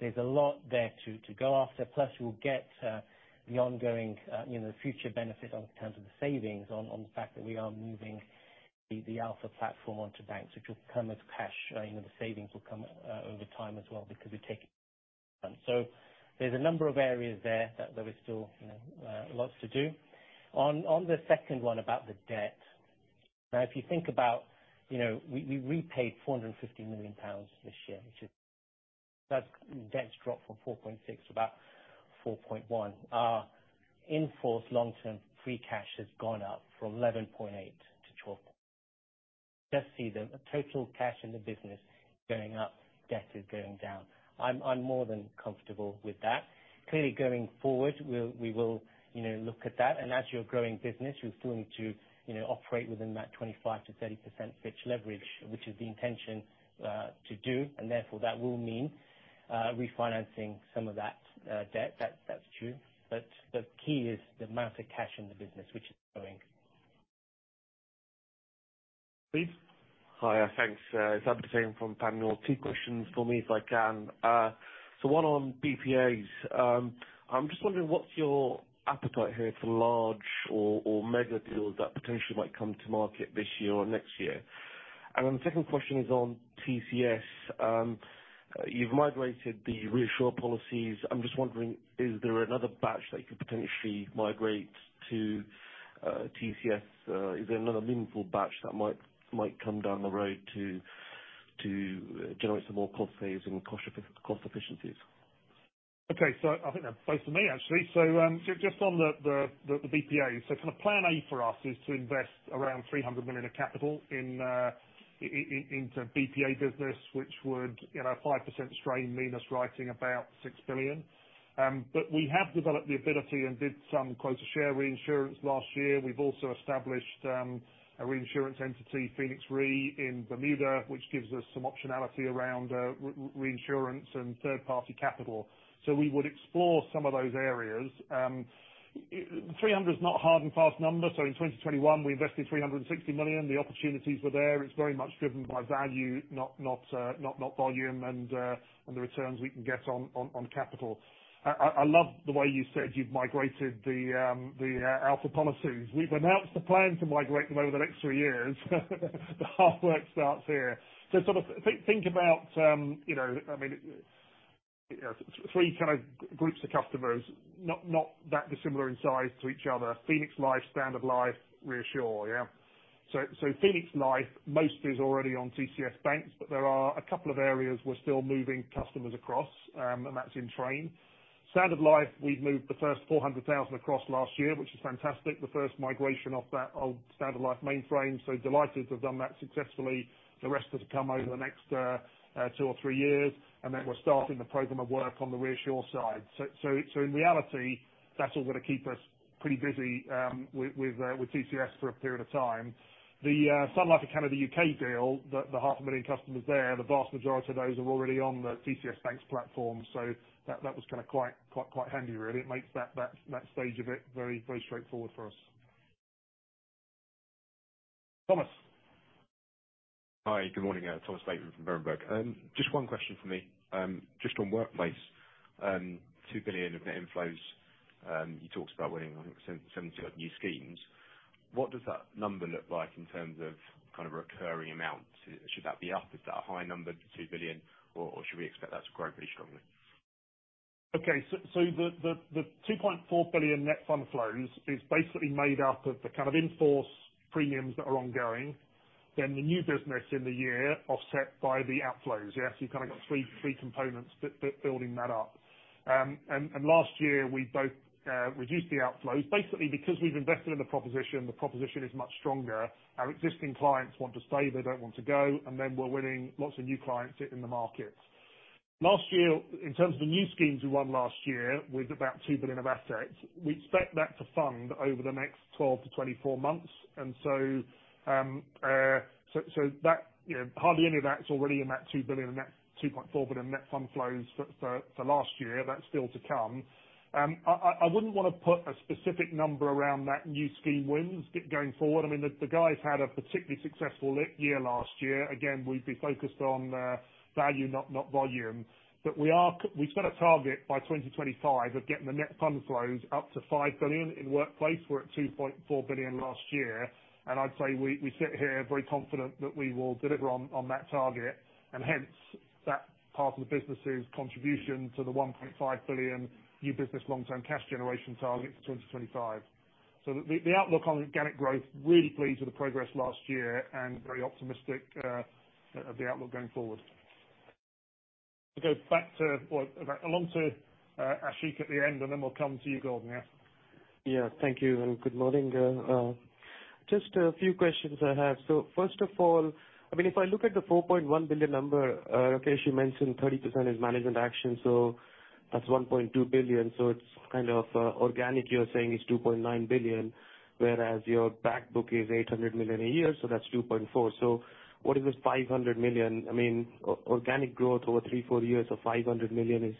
There's a lot there to go after. Plus, we'll get the ongoing, you know, future benefit in terms of the savings on the fact that we are moving the Alpha platform onto BaNCS. Which will come as cash, you know, the savings will come over time as well because there's a number of areas there that we still, you know, lots to do. On the second one about the debt. If you think about, you know, we repaid 450 million pounds this year. That's debt's dropped from 4.6 billion to about 4.1 billion. In force, long-term free cash has gone up from 11.8 billion to 12 billion. Just see the total cash in the business going up, debt is going down. I'm more than comfortable with that. Clearly going forward, we will, you know, look at that. As you're a growing business, you still need to, you know, operate within that 25%-30% Fitch leverage, which is the intention to do. Therefore that will mean refinancing some of that debt. That's true. The key is the amount of cash in the business which is growing. Please. Hi, thanks. It's Abid from Panmure. Two questions for me if I can. One on BPAs. I'm just wondering what's your appetite here for large or mega deals that potentially might come to market this year or next year? The second question is on TCS. You've migrated the ReAssure policies. I'm just wondering, is there another batch that you could potentially migrate to, TCS? Is there another meaningful batch that might come down the road to generate some more cost saves and cost efficiencies? Okay. I think that's both for me, actually. just on the BPAs. kind of plan A for us is to invest around 300 million of capital into BPA business, which would, you know, 5% strain mean us writing about billion. We have developed the ability and did some quota share reinsurance last year. We've also established a reinsurance entity, Phoenix Re, in Bermuda, which gives us some optionality around reinsurance and third-party capital. We would explore some of those areas. 300 is not hard and fast number. In 2021, we invested 360 million. The opportunities were there. It's very much driven by value, not volume, and the returns we can get on capital. I love the way you said you've migrated the Alpha policies. We've announced the plan to migrate them over the next three years. The hard work starts here. Sort of think about, you know, I mean, three kind of groups of customers, not that dissimilar in size to each other. Phoenix Life, Standard Life, ReAssure, yeah? Phoenix Life mostly is already on TCS BaNCS, but there are a couple of areas we're still moving customers across, and that's in train. Standard Life, we've moved the first 400,000 across last year, which is fantastic. The first migration off that old Standard Life mainframe, so delighted to have done that successfully. The rest of it will come over the next two or three years, and then we're starting the program of work on the ReAssure side. In reality, that's all going to keep us pretty busy, with TCS for a period of time. The Sun Life UK deal, the half a million customers there, the vast majority of those are already on the TCS BaNCS platform. That was kind of quite handy really. It makes that stage of it very, very straightforward for us. Thomas. Hi, good morning. Thomas Bateman from Berenberg. Just one question for me. Just on Workplace, 2 billion of net inflows. You talked about winning, I think 770-odd new schemes. What does that number look like in terms of kind of recurring amount? Should that be up? Is that a high number, 2 billion, or should we expect that to grow pretty strongly? Okay. The 2.4 billion net fund flows is basically made up of the kind of in-force premiums that are ongoing. The new business in the year offset by the outflows, yes. You've kind of got three components building that up. Last year, we both reduced the outflows, basically because we've invested in the proposition, the proposition is much stronger. Our existing clients want to stay, they don't want to go, and then we're winning lots of new clients in the market. Last year, in terms of the new schemes we won last year, with about 2 billion of assets, we expect that to fund over the next 12-24 months. So that, you know, hardly any of that's already in that 2 billion, in that 2.4 billion net fund flows for last year. That's still to come. I wouldn't want to put a specific number around that new scheme wins going forward. I mean, the guys had a particularly successful year last year. Again, we'd be focused on value, not volume. We set a target by 2025 of getting the net fund flows up to 5 billion in Workplace. We're at 2.4 billion last year. I'd say we sit here very confident that we will deliver on that target. Hence, that part of the business' contribution to the 1.5 billion new business long-term cash generation target for 2025. The outlook on organic growth, really pleased with the progress last year and very optimistic, the outlook going forward. We'll go back to, or along to Ashik at the end, and then we'll come to you, Gordon, yeah. Yeah. Thank you and good morning. Just a few questions I have. First of all, I mean, if I look at the 4.1 billion number, okay, she mentioned 30% is management action, so that's 1.2 billion. It's kind of organic, you're saying is 2.9 billion, whereas your back book is 800 million a year, so that's 2.4 billion. What is this 500 million? I mean, organic growth over three, four years of 500 million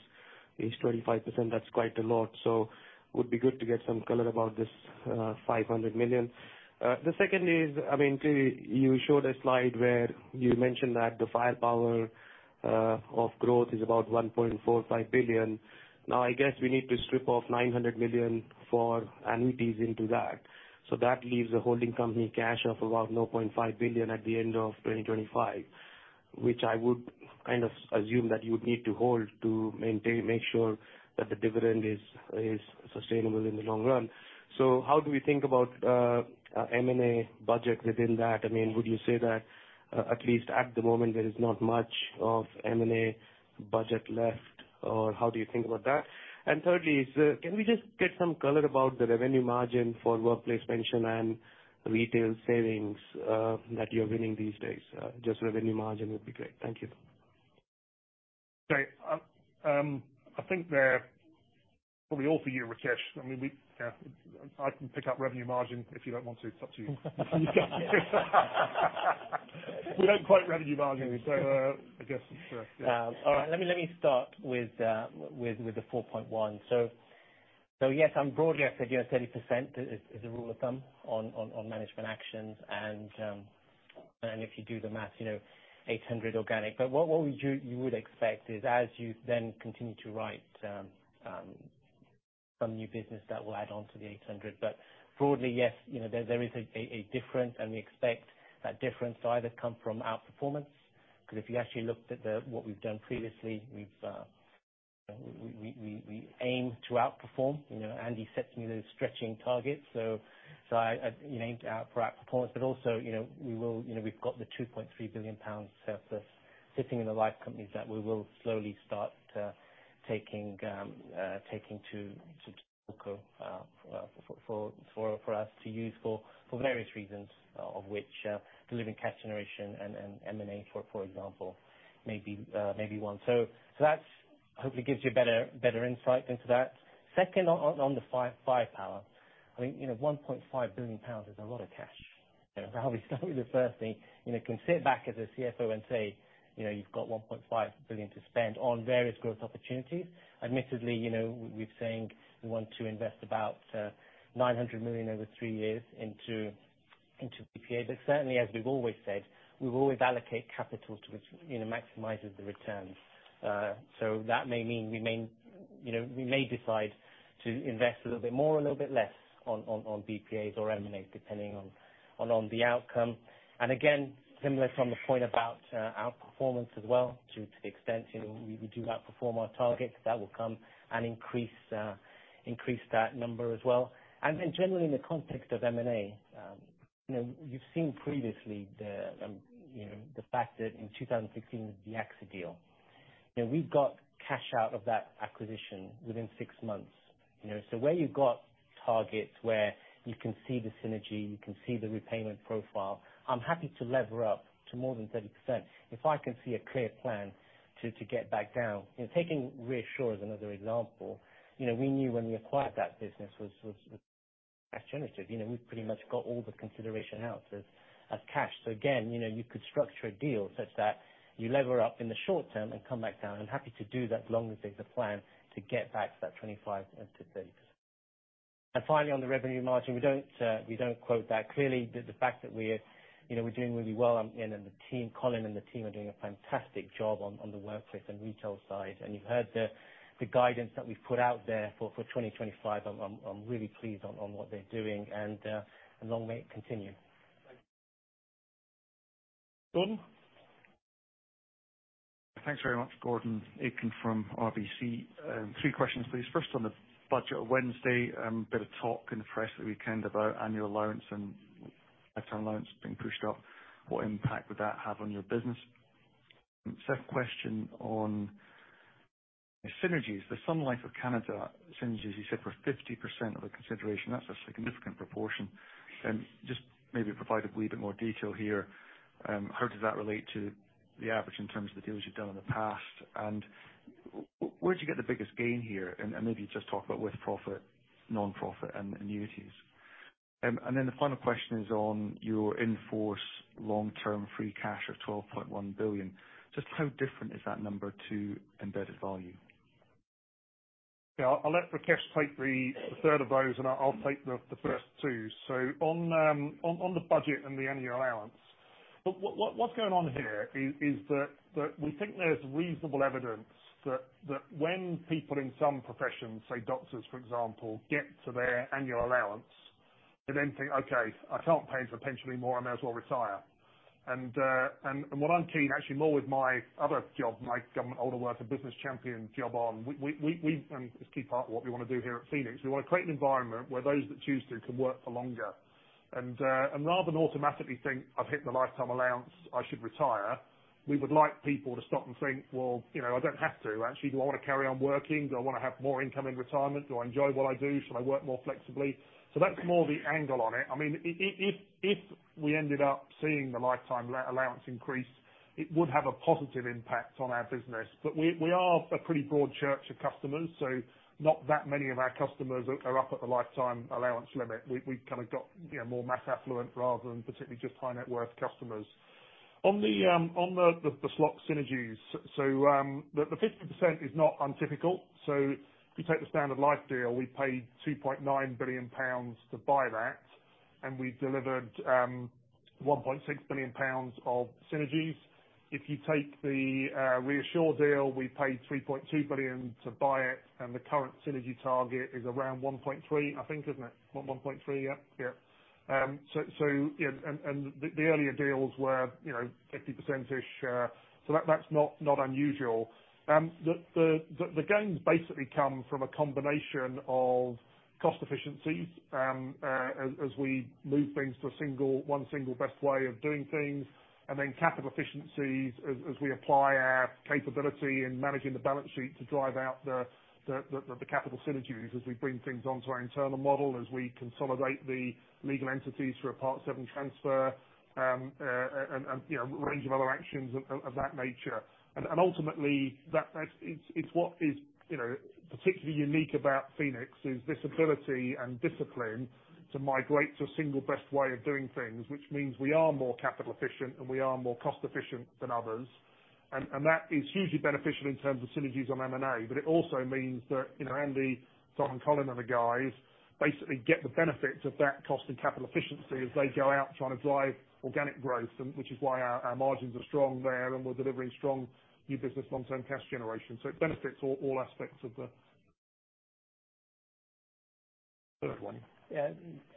is 25%. That's quite a lot. Would be good to get some color about this 500 million. The second is, I mean, you showed a slide where you mentioned that the firepower of growth is about 1.45 billion. I guess we need to strip off 900 million for annuities into that. That leaves the holding company cash of about 0.5 billion at the end of 2025. Which I would kind of assume that you would need to hold to maintain, make sure that the dividend is sustainable in the long run. How do we think about M&A budget within that? I mean, would you say that at least at the moment, there is not much of M&A budget left, or how do you think about that? Thirdly is, can we just get some color about the revenue margin for workplace pension and retail savings that you're winning these days? Just revenue margin would be great. Thank you. Okay. I think they're probably all for you, Rakesh. I mean, we, I can pick up revenue margin if you don't want to. It's up to you. We don't quote revenue margin. I guess it's yours. Yeah. All right. Let me start with the 4.1. Yes, I'm broadly, I said, you know, 30% is a rule of thumb on management actions. If you do the math, you know, 800 organic. What we do, you would expect is as you then continue to write some new business that will add on to the 800. Broadly, yes, you know, there is a difference, and we expect that difference to either come from outperformance. 'Cause if you actually looked at the what we've done previously, we've, we aim to outperform. You know, Andy sets me those stretching targets. I, you know, aim to outperform. Also, you know, we will. You know, we've got the 2.3 billion pounds surplus sitting in the live companies that we will slowly start, taking to. Mm-hmm. for us to use for various reasons, of which, delivering cash generation and M&A, for example, may be one. That's. Hopefully gives you a better insight into that. Second, on the firepower, I think, you know, 1.5 billion pounds is a lot of cash. Probably the first thing, you know, can sit back as a CFO and say, you know, you've got 1.5 billion to spend on various growth opportunities. Admittedly, you know, we're saying we want to invest about 900 million over three years into BPA. Certainly, as we've always said, we will always allocate capital to which, you know, maximizes the returns. That may mean we may decide to invest a little bit more, a little bit less on BPAs or M&As, depending on the outcome. Again, similar from the point about outperformance as well, to the extent, you know, we do outperform our targets, that will come and increase that number as well. Then generally, in the context of M&A, you know, you've seen previously, you know, the fact that in 2016, the AXA deal, you know, we've got cash out of that acquisition within six months. Where you've got targets where you can see the synergy, you can see the repayment profile, I'm happy to lever up to more than 30% if I can see a clear plan to get back down. You know, taking ReAssure as another example, you know, we knew when we acquired that business was cash generative. You know, we've pretty much got all the consideration out as cash. Again, you know, you could structure a deal such that you lever up in the short term and come back down. I'm happy to do that as long as there's a plan to get back to that 25% and to 30%. Finally, on the revenue margin, we don't quote that. Clearly the fact that we're, you know, we're doing really well, and then the team, Colin and the team are doing a fantastic job on the workplace and retail side. You've heard the guidance that we've put out there for 2025. I'm really pleased on what they're doing, and long may it continue. Gordon? Thanks very much. Gordon Aitken from RBC. Three questions, please. First, on the budget on Wednesday, a bit of talk in the press at the weekend about annual allowance and lifetime allowance being pushed up. What impact would that have on your business? Second question on synergies. The Sun Life of Canada synergies you said were 50% of the consideration. That's a significant proportion. Just maybe provide a wee bit more detail here. How does that relate to the average in terms of the deals you've done in the past? Where'd you get the biggest gain here? Maybe just talk about with profit, non-profit, and annuities. The final question is on your in-force long-term free cash of 12.1 billion. Just how different is that number to embedded value? Yeah. I'll let Rakesh take the third of those, and I'll take the first two. On the budget and the annual allowance, what's going on here is that we think there's reasonable evidence that when people in some professions, say doctors, for example, get to their annual allowance, they then think, "Okay, I can't pay into the pension any more. I may as well retire." What I'm keen, actually more with my other job, my Government Older Worker Business Champion job on, it's key part of what we want to do here at Phoenix. We want to create an environment where those that choose to can work for longer. Rather than automatically think, "I've hit the lifetime allowance, I should retire," we would like people to stop and think, "Well, you know, I don't have to actually. Do I want to carry on working? Do I want to have more income in retirement? Do I enjoy what I do? Should I work more flexibly?" That's more the angle on it. I mean, if we ended up seeing the lifetime allowance increase, it would have a positive impact on our business. We are a pretty broad church of customers, so not that many of our customers are up at the lifetime allowance limit. We've kind of got, you know, more mass affluent rather than particularly just high-net-worth customers. On the SLOC synergies, so the 50% is not untypical. If you take the Standard Life deal, we paid 2.9 billion pounds to buy that. We delivered 1.6 billion pounds of synergies. If you take the ReAssure deal, we paid 3.2 billion to buy it. The current synergy target is around 1.3 billion, I think, isn't it? 1.3 billion, yeah. Yeah. You know, and the earlier deals were, you know, 50%-ish. That's not unusual. The gains basically come from a combination of cost efficiencies, as we move things to one single best way of doing things. Then capital efficiencies as we apply our capability in managing the balance sheet to drive out the capital synergies as we bring things onto our internal model, as we consolidate the legal entities through a Part VII transfer. You know, a range of other actions of that nature. Ultimately, that it's what is, you know, particularly unique about Phoenix is this ability and discipline to migrate to a single best way of doing things. Which means we are more capital efficient and we are more cost efficient than others. That is hugely beneficial in terms of synergies on M&A. It also means that, you know, Andy, Simon, Colin, and the guys basically get the benefit of that cost and capital efficiency as they go out trying to drive organic growth, which is why our margins are strong there, and we're delivering strong new business long-term cash generation. It benefits all aspects of the one. Yeah.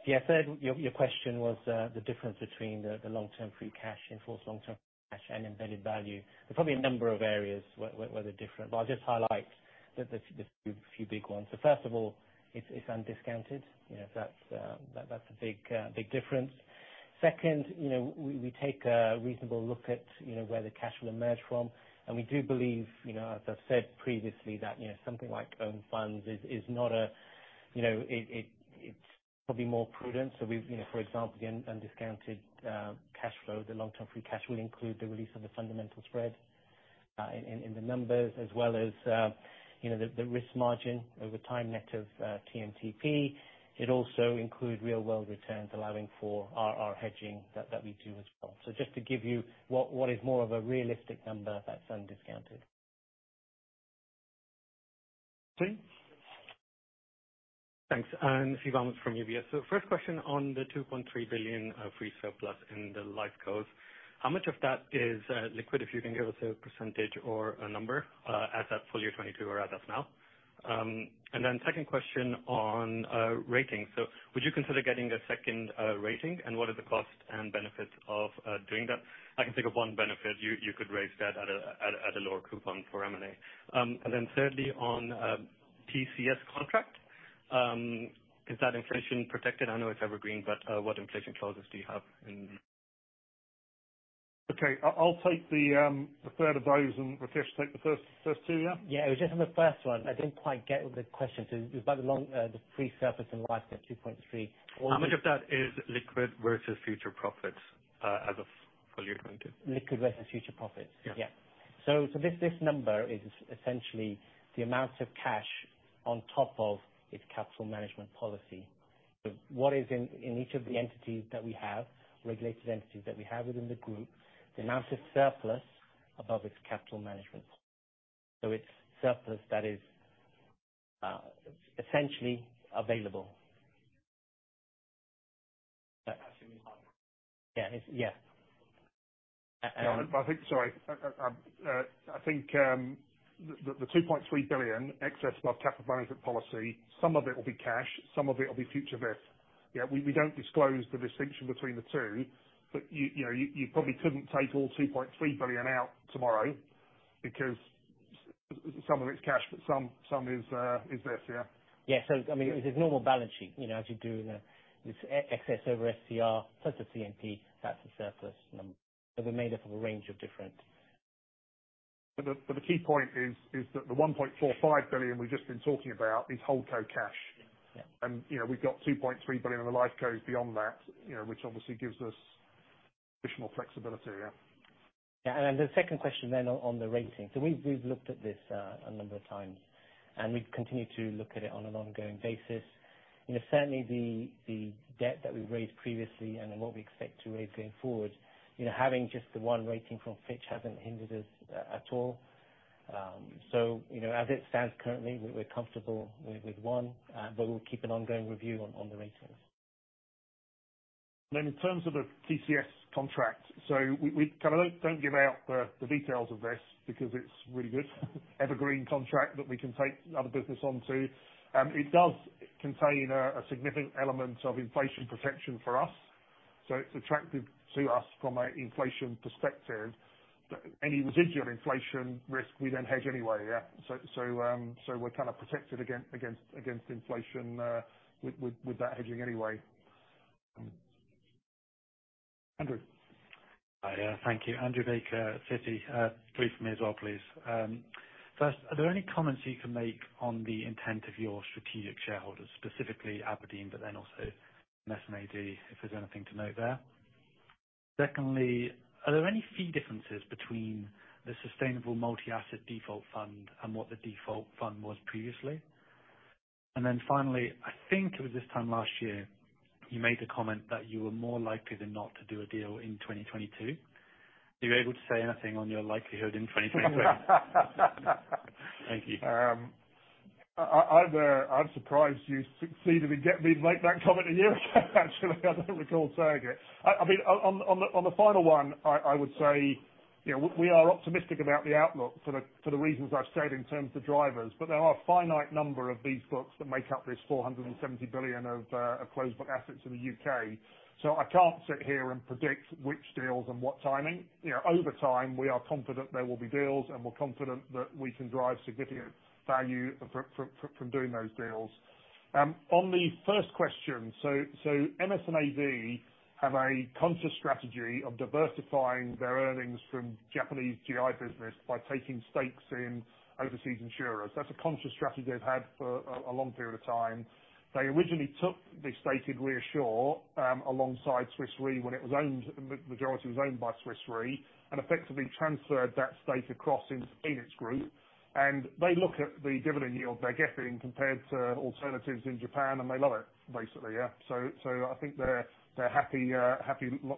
Yeah. Third, your question was the difference between the long-term free cash and for long-term cash and embedded value. There are probably a number of areas where they're different, but I'll just highlight the few big ones. First of all, it's undiscounted. You know, that's a big difference. Second, you know, we take a reasonable look at, you know, where the cash will emerge from, and we do believe, you know, as I've said previously, that, you know, something like own funds is not a. It's probably more prudent. We've, you know, for example, again, undiscounted cash flows and long-term free cash will include the release of the fundamental spread in the numbers as well as, you know, the risk margin over time net of TMTP. It also includes real world returns, allowing for our hedging that we do as well. Just to give you what is more of a realistic number that's undiscounted. Steve? Thanks. Steve Almond from UBS. First question on the 2.3 billion of free surplus in the life COEs: How much of that is liquid, if you can give us a percentage or a number, as at full year 2022 or as at now? Second question on ratings: Would you consider getting a second rating? What are the costs and benefits of doing that? I can think of one benefit. You could raise debt at a lower coupon for M&A. Thirdly, on TCS contract: Is that inflation protected? I know it's evergreen, but what inflation clauses do you have in? Okay. I'll take the third of those, and Rakesh take the first two, yeah. Yeah. Just on the first one, I didn't quite get the question. It was about the long, the pre-surplus in life, the 2.3. How much of that is liquid versus future profits, as of full year 2022? Liquid versus future profits. Yeah. Yeah. This number is essentially the amount of cash on top of its capital management policy. What is in each of the entities that we have, regulated entities that we have within the group, the amount of surplus above its capital management. It's surplus that is essentially available. Yeah. Yeah. No. Sorry. I think the 2.3 billion excess of our capital management policy, some of it will be cash, some of it will be future risk. Yeah, we don't disclose the distinction between the two, but you know, you probably couldn't take all 2.3 billion out tomorrow because some of it's cash, but some is this. Yeah. Yeah. I mean, it's a normal balance sheet, you know, as you do in the... It's excess over SCR, plus the CMP, that's the surplus number. They're made up of a range of different. The key point is that the 1.45 billion we've just been talking about is holdco cash. Yeah. Yeah. You know, we've got 2.3 billion in the life COEs beyond that, you know, which obviously gives us additional flexibility, yeah. The second question then on the rating. We've looked at this, a number of times, and we continue to look at it on an ongoing basis. You know, certainly the debt that we've raised previously and what we expect to raise going forward, you know, having just the one rating from Fitch hasn't hindered us at all. You know, as it stands currently, we're comfortable with one, but we'll keep an ongoing review on the ratings. In terms of the TCS contract. We kind of don't give out the details of this because it's really good evergreen contract that we can take other business onto. It does contain a significant element of inflation protection for us. It's attractive to us from an inflation perspective. Any residual inflation risk we then hedge anyway, yeah. We're kind of protected against inflation with that hedging anyway. Andrew. Hi. Thank you. Andrew Baker at Citi. Three from me as well, please. First, are there any comments you can make on the intent of your strategic shareholders, specifically Aberdeen, but then also MassMutual, if there's anything to note there? Secondly, are there any fee differences between the Sustainable Multi Asset default fund and what the default fund was previously? Then finally, I think it was this time last year, you made the comment that you were more likely than not to do a deal in 2022. Are you able to say anything on your likelihood in 2023? Thank you. I'd surprise you succeeded in getting me to make that comment a year ago actually. I don't recall saying it. I mean, on the final one, I would say, you know, we are optimistic about the outlook for the reasons I've stated in terms of drivers. There are a finite number of these books that make up this 470 billion of closed book assets in the U.K., I can't sit here and predict which deals and what timing. You know, over time, we are confident there will be deals, and we're confident that we can drive significant value from doing those deals. On the first question, MS&AD have a conscious strategy of diversifying their earnings from Japanese GI business by taking stakes in overseas insurers. That's a conscious strategy they've had for a long period of time. They originally took the stake in ReAssure alongside Swiss Re when it was owned, majority was owned by Swiss Re, and effectively transferred that stake across into Phoenix Group. They look at the dividend yield they're getting compared to alternatives in Japan, and they love it, basically, yeah. I think they're happy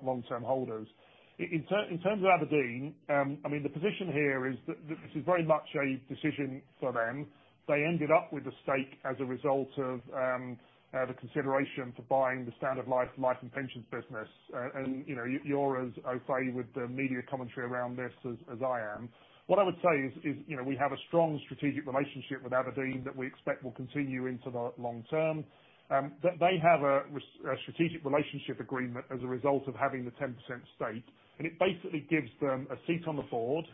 long-term holders. In terms of Aberdeen, I mean, the position here is this is very much a decision for them. They ended up with a stake as a result of the consideration for buying the Standard Life life and pensions business. You know, you're as au fait with the media commentary around this as I am. What I would say is, you know, we have a strong strategic relationship with Aberdeen that we expect will continue into the long-term. They have a strategic relationship agreement as a result of having the 10% stake, and it basically gives them a seat on the board,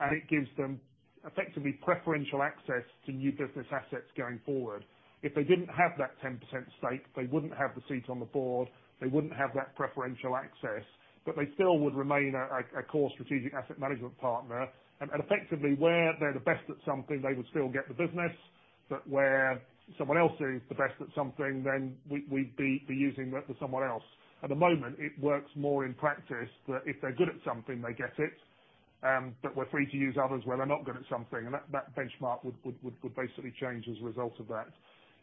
and it gives them effectively preferential access to new business assets going forward. If they didn't have that 10% stake, they wouldn't have the seat on the board, they wouldn't have that preferential access, but they still would remain a core strategic asset management partner. Effectively, where they're the best at something, they would still get the business. Where someone else is the best at something, then we'd be using that for someone else. At the moment, it works more in practice that if they're good at something, they get it, but we're free to use others where they're not good at something. That, that benchmark would basically change as a result of that.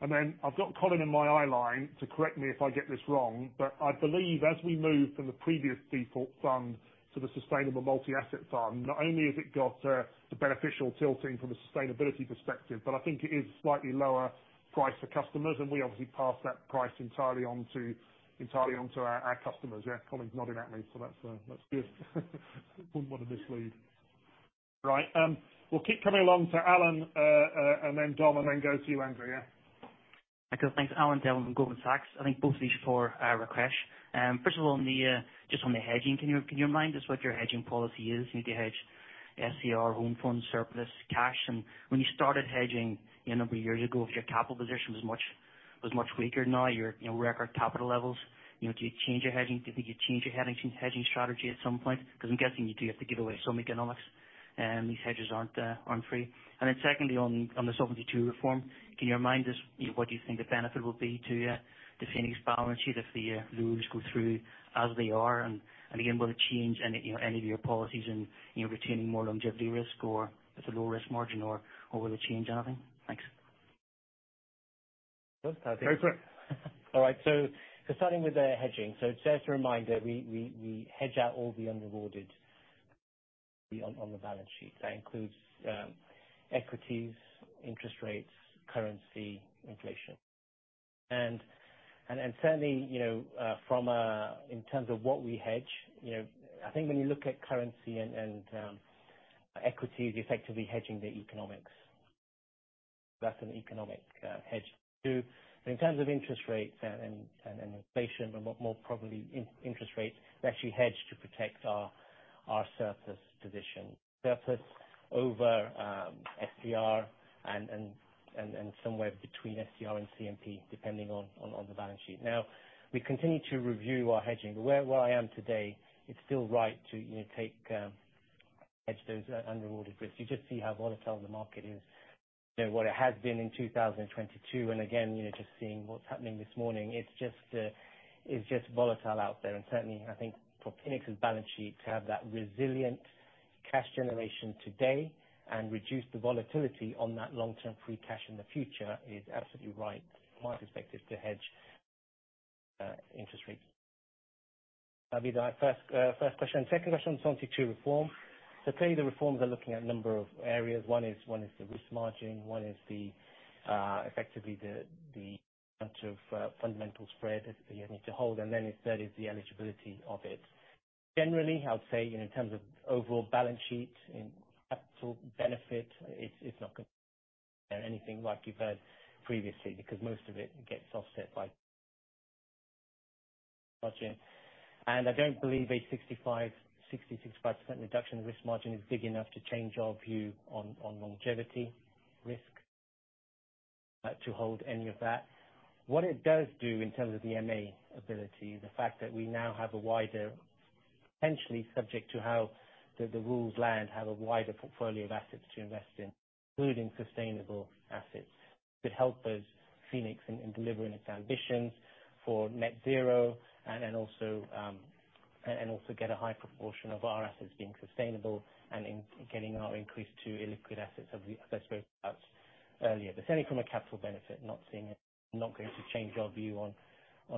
Then I've got Colin in my eye line to correct me if I get this wrong. I believe as we move from the previous default fund to the Sustainable Multi Asset fund, not only has it got the beneficial tilting from a sustainability perspective, but I think it is slightly lower price for customers, and we obviously pass that price entirely on to our customers, yeah. Colin's nodding at me, so that's good. Wouldn't wanna mislead. Right. We'll keep coming along. Alan, and then Dom, and then go to you, Andrew, yeah. Okay, thanks. Alan Devlin from Goldman Sachs. I think both of these for Rakesh. First of all, on the hedging, can you remind us what your hedging policy is? Do you hedge SCR, home funds, surplus cash? When you started hedging, you know, a number of years ago, if your capital position was much weaker than now, your, you know, record capital levels, you know, do you change your hedging? Do you think you'd change your hedging strategy at some point? 'Cause I'm guessing you do have to give away some economics. These hedges aren't free. Secondly, on the Solvency II reform, can you remind us, you know, what do you think the benefit will be to the Phoenix balance sheet if the rules go through as they are? Again, will it change any, you know, any of your policies in, you know, retaining more longevity risk, or is it low risk margin or will it change anything? Thanks. Go for it. All right, starting with the hedging. Just a reminder, we hedge out all the unrewarded on the balance sheet. That includes equities, interest rates, currency, inflation. Certainly, you know, from a, in terms of what we hedge, you know, I think when you look at currency and equities, you're effectively hedging the economics. That's an economic hedge to do. In terms of interest rates and inflation, but more probably interest rates, we actually hedge to protect our surplus position. Surplus over SCR and somewhere between SCR and CMP, depending on the balance sheet. We continue to review our hedging. Where I am today, it's still right to, you know, take hedge those unrewarded risks. You just see how volatile the market is, you know, what it has been in 2022. Again, you know, just seeing what's happening this morning, it's just volatile out there. Certainly, I think for Phoenix's balance sheet to have that resilient cash generation today and reduce the volatility on that long-term free cash in the future is absolutely right, from my perspective, to hedge interest rates. That'll be the first question. Second question on Solvency II reform. Clearly the reforms are looking at a number of areas. One is the risk margin, one is effectively the amount of fundamental spread you need to hold, and then if that is the eligibility of it. Generally, I would say, you know, in terms of overall balance sheet and capital benefit, it's not gonna be anything like you've heard previously, because most of it gets offset by margin. I don't believe a 65% reduction in risk margin is big enough to change our view on longevity risk to hold any of that. What it does do in terms of the MA ability, the fact that we now have a wider, potentially subject to how the rules land, have a wider portfolio of assets to invest in, including sustainable assets. It helps us, Phoenix, in delivering its ambitions for net zero and also get a high proportion of our assets being sustainable and in getting our increase to illiquid assets as I spoke about earlier. It's only from a capital benefit, not seeing it, not going to change our view on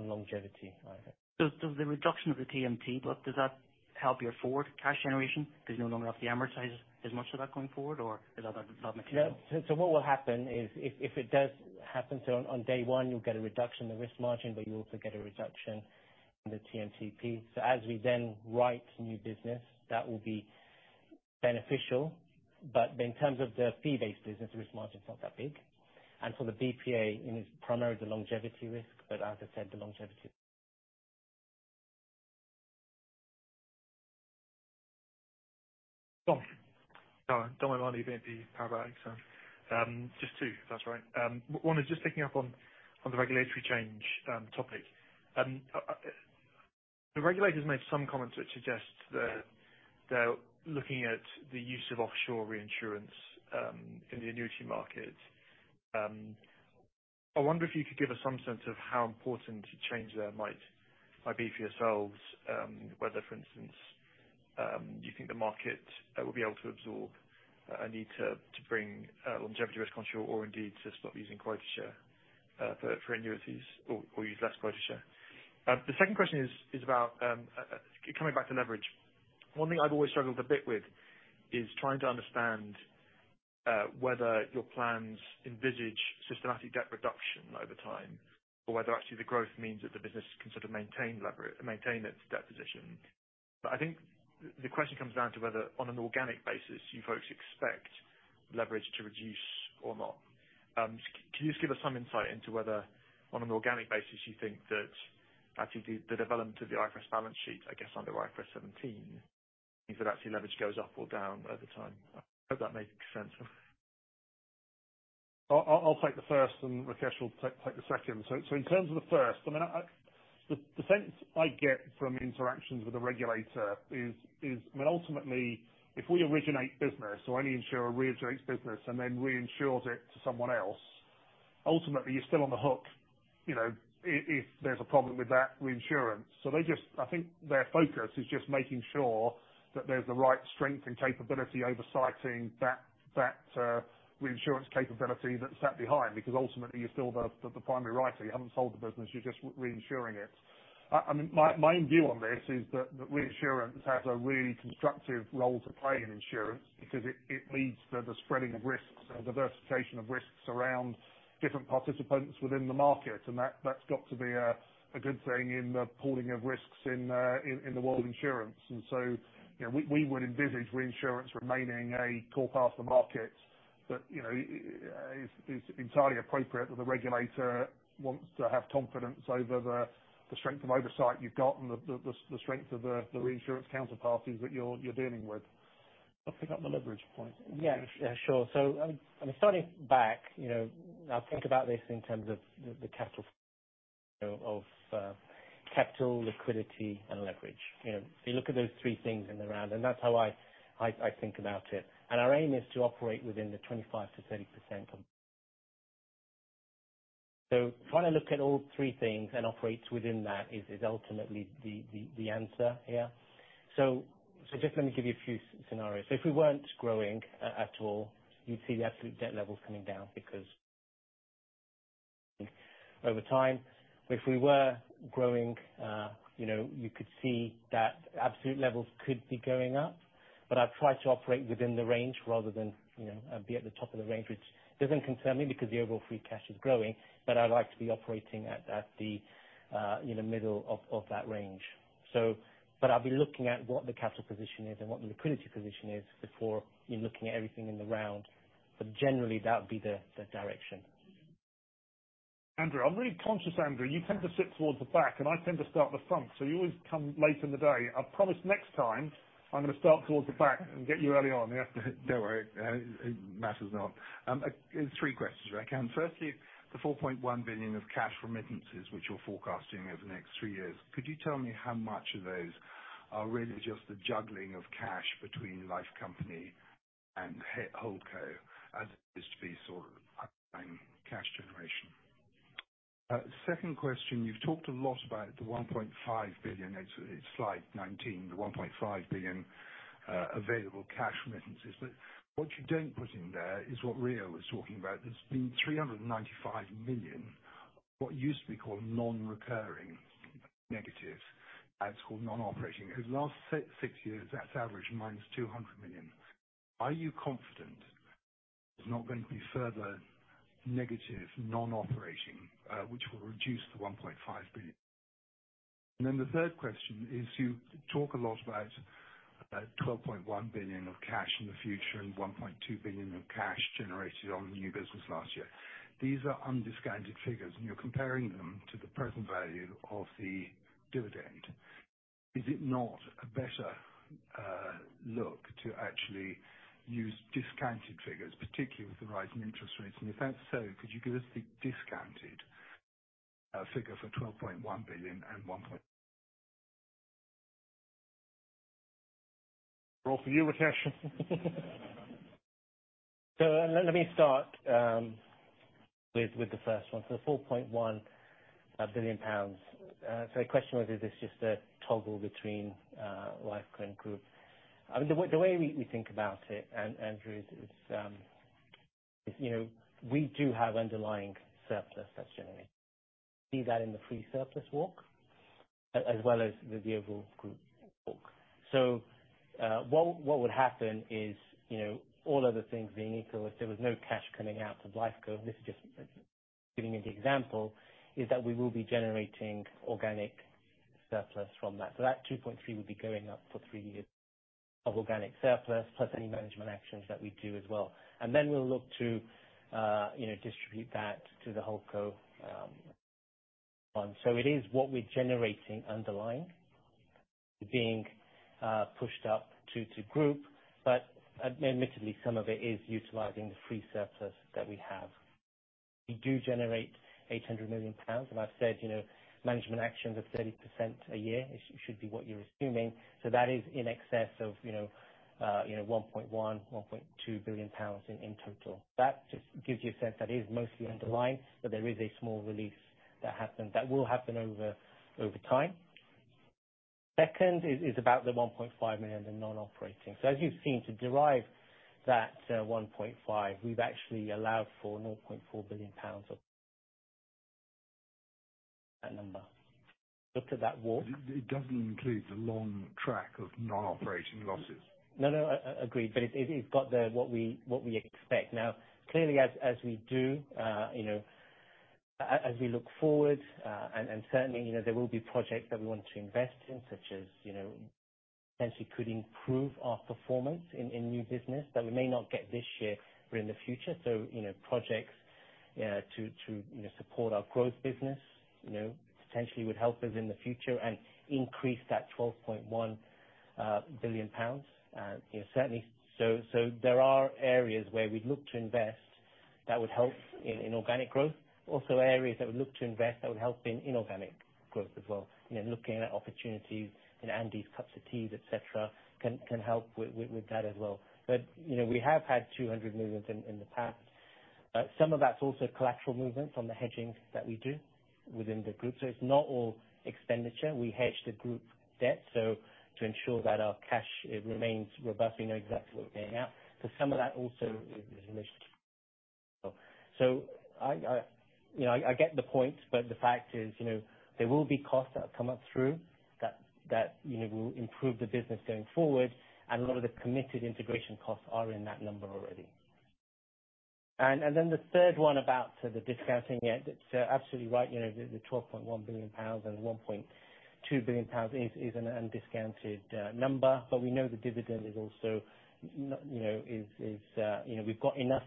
longevity either. The reduction of the TMTP, does that help your forward cash generation 'cause you no longer have to amortize as much of that going forward or is that not material? No. What will happen is if it does happen, so on day one, you'll get a reduction in the risk margin, but you also get a reduction in the TMTP. As we then write new business, that will be beneficial. In terms of the fee-based business, the risk margin is not that big. For the BPA, I mean, it's primarily the longevity risk, but as I said. Dom. Dominic O'Mahony from BNP Paribas. Just two, if that's all right. One is just picking up on the regulatory change topic. The regulators made some comments that suggest that they're looking at the use of offshore reinsurance in the annuity market. I wonder if you could give us some sense of how important a change there might be for yourselves, whether, for instance, do you think the market will be able to absorb a need to bring longevity risk onshore or indeed to stop using quota share for annuities or use less quota share. The second question is about coming back to leverage. One thing I've always struggled a bit with is trying to understand whether your plans envisage systematic debt reduction over time or whether actually the growth means that the business can sort of maintain its debt position. I think the question comes down to whether on an organic basis you folks expect leverage to reduce or not. Can you just give us some insight into whether on an organic basis you think that actually the development of the IFRS balance sheet, I guess under IFRS 17, means that actually leverage goes up or down over time? I hope that makes sense. I'll take the first and Rakesh will take the second. In terms of the first, I mean, the sense I get from interactions with the regulator is. I mean, ultimately if we originate business or any insurer reinsures business and then reinsures it to someone else, ultimately you're still on the hook, you know, if there's a problem with that reinsurance. They just. I think their focus is just making sure that there's the right strength and capability oversighting that reinsurance capability that's sat behind, because ultimately you're still the primary writer. You haven't sold the business, you're just reinsuring it. I mean, my own view on this is that reinsurance has a really constructive role to play in insurance because it leads to the spreading of risks and diversification of risks around different participants within the market. That's got to be a good thing in the pooling of risks in the world of insurance. You know, we would envisage reinsurance remaining a core part of the market. You know, it's entirely appropriate that the regulator wants to have confidence over the strength of oversight you've got and the strength of the reinsurance counterparties that you're dealing with. I'll pick up the leverage point. Yeah, yeah, sure. I mean, starting back, you know, I think about this in terms of the capital of capital liquidity and leverage. You know, if you look at those three things in the round, and that's how I think about it, and our aim is to operate within the 25%-30% of... Trying to look at all three things and operate within that is ultimately the answer here. Just let me give you a few scenarios. If we weren't growing at all, you'd see the absolute debt levels coming down because over time. If we were growing, you know, you could see that absolute levels could be going up. I try to operate within the range rather than, you know, be at the top of the range, which doesn't concern me because the overall free cash is growing. I like to be operating at the, in the middle of that range. I'll be looking at what the capital position is and what the liquidity position is before, you know, looking at everything in the round. Generally that would be the direction. Andrew, I'm really conscious, Andrew, you tend to sit towards the back and I tend to start the front, so you always come late in the day. I promise next time I'm going to start towards the back and get you early on. Yeah. Don't worry. It matters not. Three questions, Rick. Firstly, the 4.1 billion of cash remittances which you're forecasting over the next three years. Could you tell me how much of those are really just the juggling of cash between life company and holdco as it is to be sort of cash generation? Second question. You've talked a lot about the 1.5 billion. It's slide 19. The 1.5 billion available cash remittances. What you don't put in there is what Ria was talking about. There's been 395 million, what used to be called non-recurring negatives. Now it's called non-operating. Over the last six years, that's averaged minus 200 million. Are you confident there's not going to be further negative non-operating, which will reduce the 1.5 billion? The third question is you talk a lot about 12.1 billion of cash in the future and 1.2 billion of cash generated on the new business last year. These are undiscounted figures, and you're comparing them to the present value of the dividend. Is it not a better look to actually use discounted figures, particularly with the rising interest rates? If that's so, could you give us the discounted figure for 12.1 billion and one point. All for you, Rakesh. Let me start with the first one. The 4.1 billion pounds. The question was is this just a toggle between LifeCo and group? I mean, the way we think about it, Andrew, is, you know, we do have underlying surplus that's generated. See that in the free surplus walk as well as the overall group walk. What would happen is, you know, all other things being equal, if there was no cash coming out of LifeCo, this is just giving you the example, is that we will be generating organic surplus from that. That 2.3 will be going up for three years of organic surplus, plus any management actions that we do as well. We'll look to, you know, distribute that to the whole co fund. It is what we're generating underlying being pushed up to Group, but admittedly, some of it is utilizing the free surplus that we have. We do generate 800 million pounds, and I've said, you know, management actions of 30% a year should be what you're assuming. That is in excess of, you know, 1.1 billion-1.2 billion pounds in total. That just gives you a sense that is mostly underlying, but there is a small release that will happen over time. Second is about the 1.5 million in non-operating. As you've seen, to derive that 1.5, we've actually allowed for 0.4 billion pounds of that number. Looked at that. It doesn't include the long track of non-operating losses. No, no, agreed, but it's got the, what we, what we expect. Clearly as we do, you know, as we look forward, and certainly, you know, there will be projects that we want to invest in, such as, you know, potentially could improve our performance in new business that we may not get this year or in the future. You know, projects, to, you know, support our growth business, you know, potentially would help us in the future and increase that 12.1 billion pounds. You know, certainly. There are areas where we'd look to invest that would help in organic growth. Also areas that would look to invest that would help in inorganic growth as well. You know, looking at opportunities in Andy's cups of tea, et cetera, can help with that as well. You know, we have had 200 movements in the past. Some of that's also collateral movement from the hedging that we do within the group. It's not all expenditure. We hedge the group debt, to ensure that our cash, it remains robust, we know exactly what we're paying out. Some of that also is in relation to. I, you know, I get the point, but the fact is, you know, there will be costs that come up through that, you know, will improve the business going forward. A lot of the committed integration costs are in that number already. Then the third one about the discounting. Yeah, that's absolutely right. You know, the 12.1 billion pounds and 1.2 billion pounds is an undiscounted number. We know the dividend is also you know, is you know, we've got enough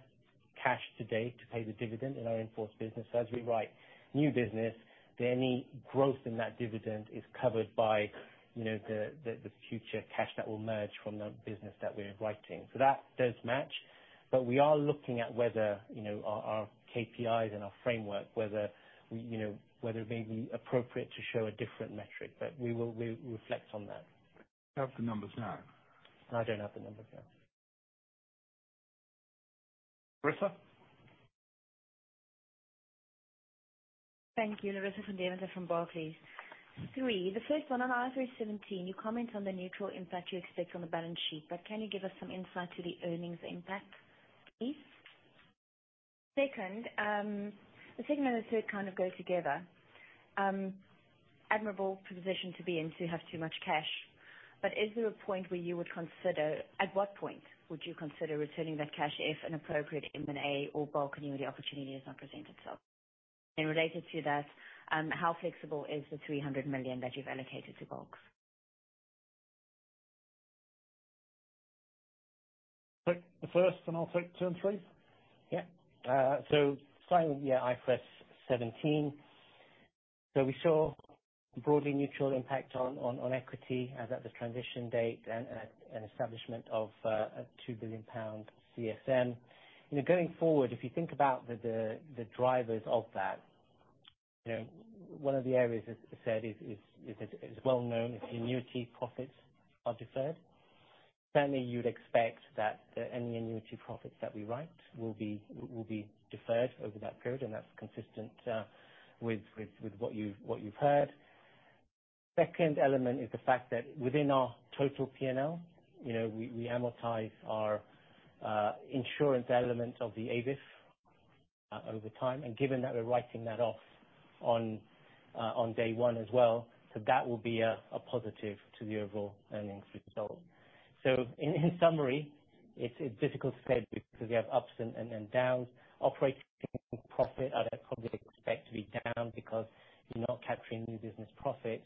cash to date to pay the dividend in our in-force business. As we write new business, any growth in that dividend is covered by, you know, the future cash that will emerge from the business that we're writing. That does match. We are looking at whether, you know, our KPIs and our framework, whether it may be appropriate to show a different metric, we will re-reflect on that. Have the numbers now. I don't have the numbers now. Larissa? Thank you. Larissa from Van Deventer from Barclays. Three, the first one on IFRS 17, you comment on the neutral impact you expect on the balance sheet, but can you give us some insight to the earnings impact, please? Second, the second and the third kind of go together. Admirable position to be in to have too much cash. At what point would you consider returning that cash if an appropriate M&A or bulk annuity opportunity has not presented itself? Related to that, how flexible is the 300 million that you've allocated to bulk? Take the first, and I'll take two and three. Starting with IFRS 17. We saw broadly neutral impact on equity as at the transition date and establishment of a 2 billion pound CSM. You know, going forward, if you think about the drivers of that, you know, one of the areas, as I said, is well known is the annuity profits are deferred. Certainly, you'd expect that any annuity profits that we write will be deferred over that period, and that's consistent with what you've heard. Second element is the fact that within our total P&L, you know, we amortize our insurance elements of the AVIF over time. Given that we're writing that off on day one as well. That will be a positive to the overall earnings result. In summary, it's difficult to say because we have ups and downs. Operating profit, I'd probably expect to be down because you're not capturing new business profits.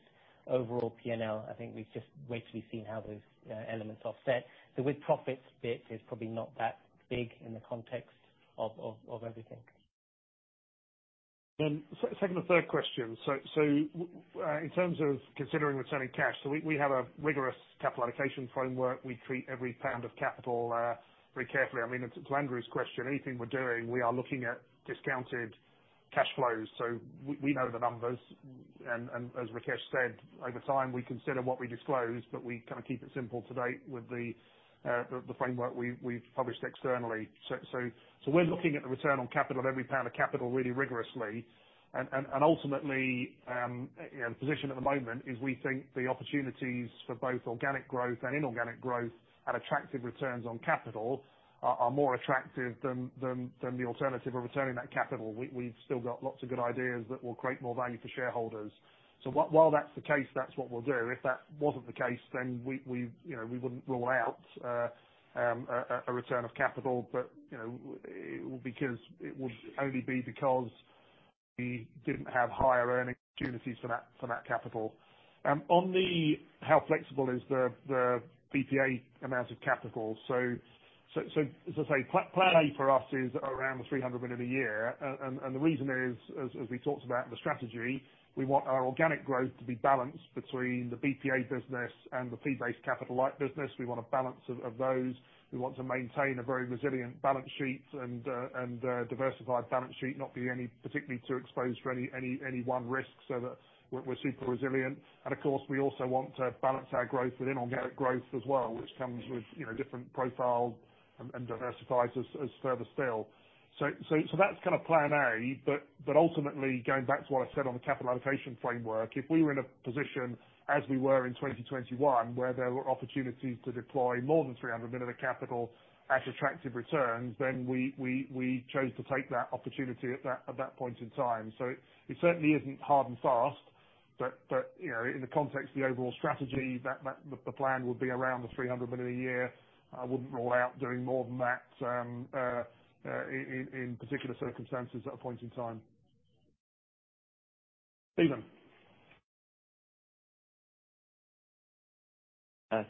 Overall P&L, I think we just wait till we've seen how those elements offset. The with profits bit is probably not that big in the context of everything. Second and third question. In terms of considering returning cash, we have a rigorous capital allocation framework. We treat every pound of capital very carefully. I mean, to Andrew's question, anything we're doing, we are looking at discounted cash flows. We know the numbers. As Rakesh said, over time we consider what we disclose, but we kind of keep it simple to date with the framework we've published externally. We're looking at the return on capital on every pound of capital really rigorously. Ultimately, you know, the position at the moment is we think the opportunities for both organic growth and inorganic growth at attractive returns on capital are more attractive than the alternative of returning that capital. We've still got lots of good ideas that will create more value for shareholders. While that's the case, that's what we'll do. If that wasn't the case, we, you know, we wouldn't rule out a return of capital. You know, it would only be because we didn't have higher earning opportunities for that capital. On the how flexible is the BPA amount of capital. As I say, plan A for us is around the 300 million a year. And the reason is, as we talked about the strategy, we want our organic growth to be balanced between the BPA business and the fee-based capital light business. We want a balance of those. We want to maintain a very resilient balance sheet and diversified balance sheet. Not be any, particularly too exposed for any one risk, so that we're super resilient. Of course, we also want to balance our growth with inorganic growth as well, which comes with, you know, different profiles and diversifies us further still. That's kind of plan A, but ultimately, going back to what I said on the capital allocation framework, if we were in a position as we were in 2021, where there were opportunities to deploy more than 300 million of capital at attractive returns, then we chose to take that opportunity at that point in time. It certainly isn't hard and fast. You know, in the context of the overall strategy that the plan would be around 300 million a year. I wouldn't rule out doing more than that, in particular circumstances at a point in time. Steven.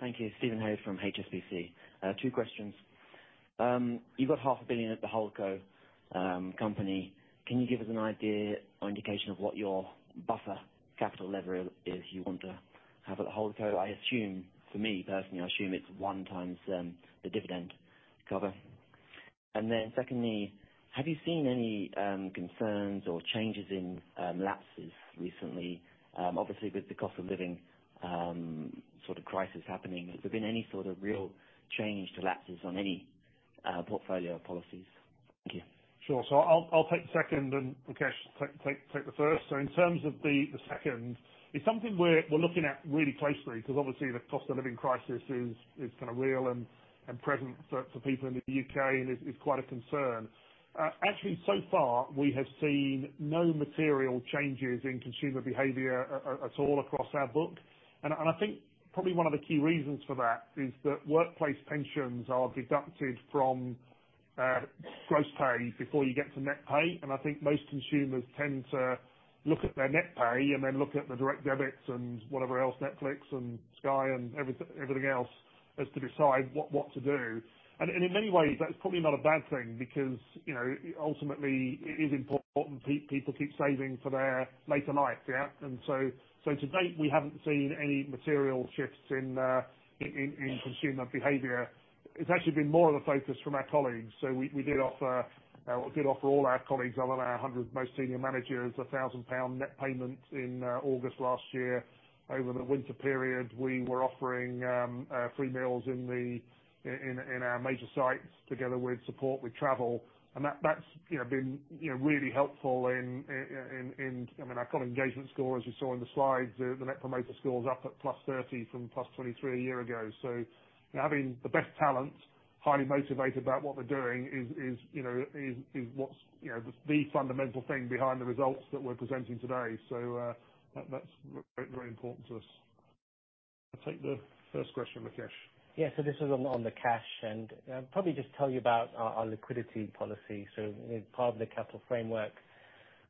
Thank you. Steven Haywood from HSBC. Two questions. You've got half a billion at the holdco company. Can you give us an idea or indication of what your buffer capital level is you want to have at holdco? I assume, for me personally, I assume it's one times the dividend cover. Secondly, have you seen any concerns or changes in lapses recently? Obviously with the cost of living crisis happening, has there been any real change to lapses on any portfolio policies? Thank you. Sure. I'll take the second and Rakesh, take the first. In terms of the second, it's something we're looking at really closely, 'cause obviously the cost of living crisis is kind of real and present for people in the U.K. and is quite a concern. Actually so far we have seen no material changes in consumer behavior at all across our book. I think probably one of the key reasons for that is that workplace pensions are deducted from gross pay before you get to net pay. I think most consumers tend to look at their net pay and then look at the direct debits and whatever else, Netflix and Sky and everything else, as to decide what to do. In many ways, that's probably not a bad thing because, you know, ultimately it is important people keep saving for their later life, yeah. To date, we haven't seen any material shifts in consumer behavior. It's actually been more of a focus from our colleagues. We did offer all our colleagues, all of our 100 most senior managers, a 1,000 pound net payment in August last year. Over the winter period, we were offering free meals in our major sites together with support with travel. That's, you know, been, you know, really helpful in, I mean, our current engagement score, as you saw in the slides, the net promoter score is up at +30 from +23 a year ago. Having the best talent, highly motivated about what we're doing is, you know, is what's, you know, the fundamental thing behind the results that we're presenting today. That's very important to us. I'll take the first question, Rakesh. This is on the cash and probably just tell you about our liquidity policy. Part of the capital framework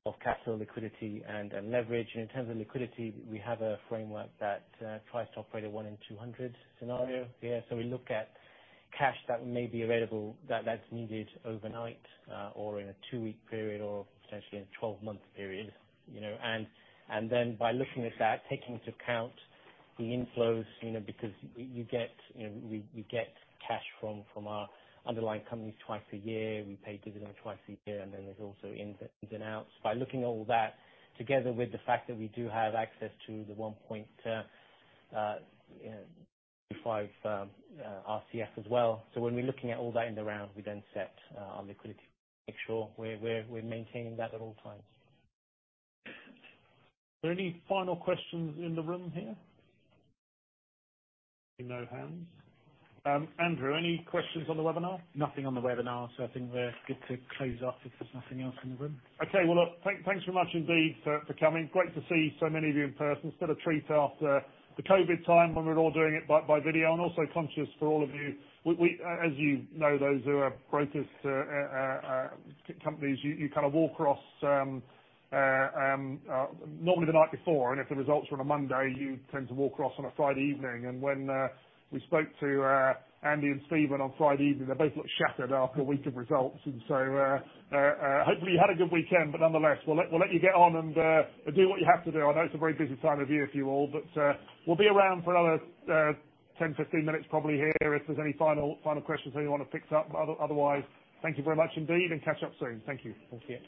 of capital liquidity and leverage. In terms of liquidity, we have a framework that tries to operate a one in 200 scenario. We look at cash that's needed overnight or in a two weeks period or potentially in a 12-month period, you know. By looking at that, taking into account the inflows, you know, because you get, you know, we get cash from our underlying companies two times a year. We pay dividend two times a year, there's also ins and outs. By looking at all that together with the fact that we do have access to the 1.25 RCF as well. When we're looking at all that in the round, we then set our liquidity to make sure we're maintaining that at all times. Are there any final questions in the room here? Seeing no hands. Andrew, any questions on the webinar? Nothing on the webinar. I think we're good to close up if there's nothing else in the room. Okay. Well, look, thanks very much indeed for coming. Great to see so many of you in person. It's been a treat after the Covid time when we were all doing it by video. Also conscious for all of you, we, as you know, those who are brokers, companies, you kind of walk across normally the night before. If the results are on a Monday, you tend to walk across on a Friday evening. When we spoke to Andy and Stephen on Friday evening, they both looked shattered after a week of results. Hopefully you had a good weekend, but nonetheless, we'll let you get on and do what you have to do. I know it's a very busy time of year for you all. We'll be around for another 10, 15 minutes probably here, if there's any final questions that you wanna pick up. Otherwise, thank you very much indeed and catch up soon. Thank you. Thank you.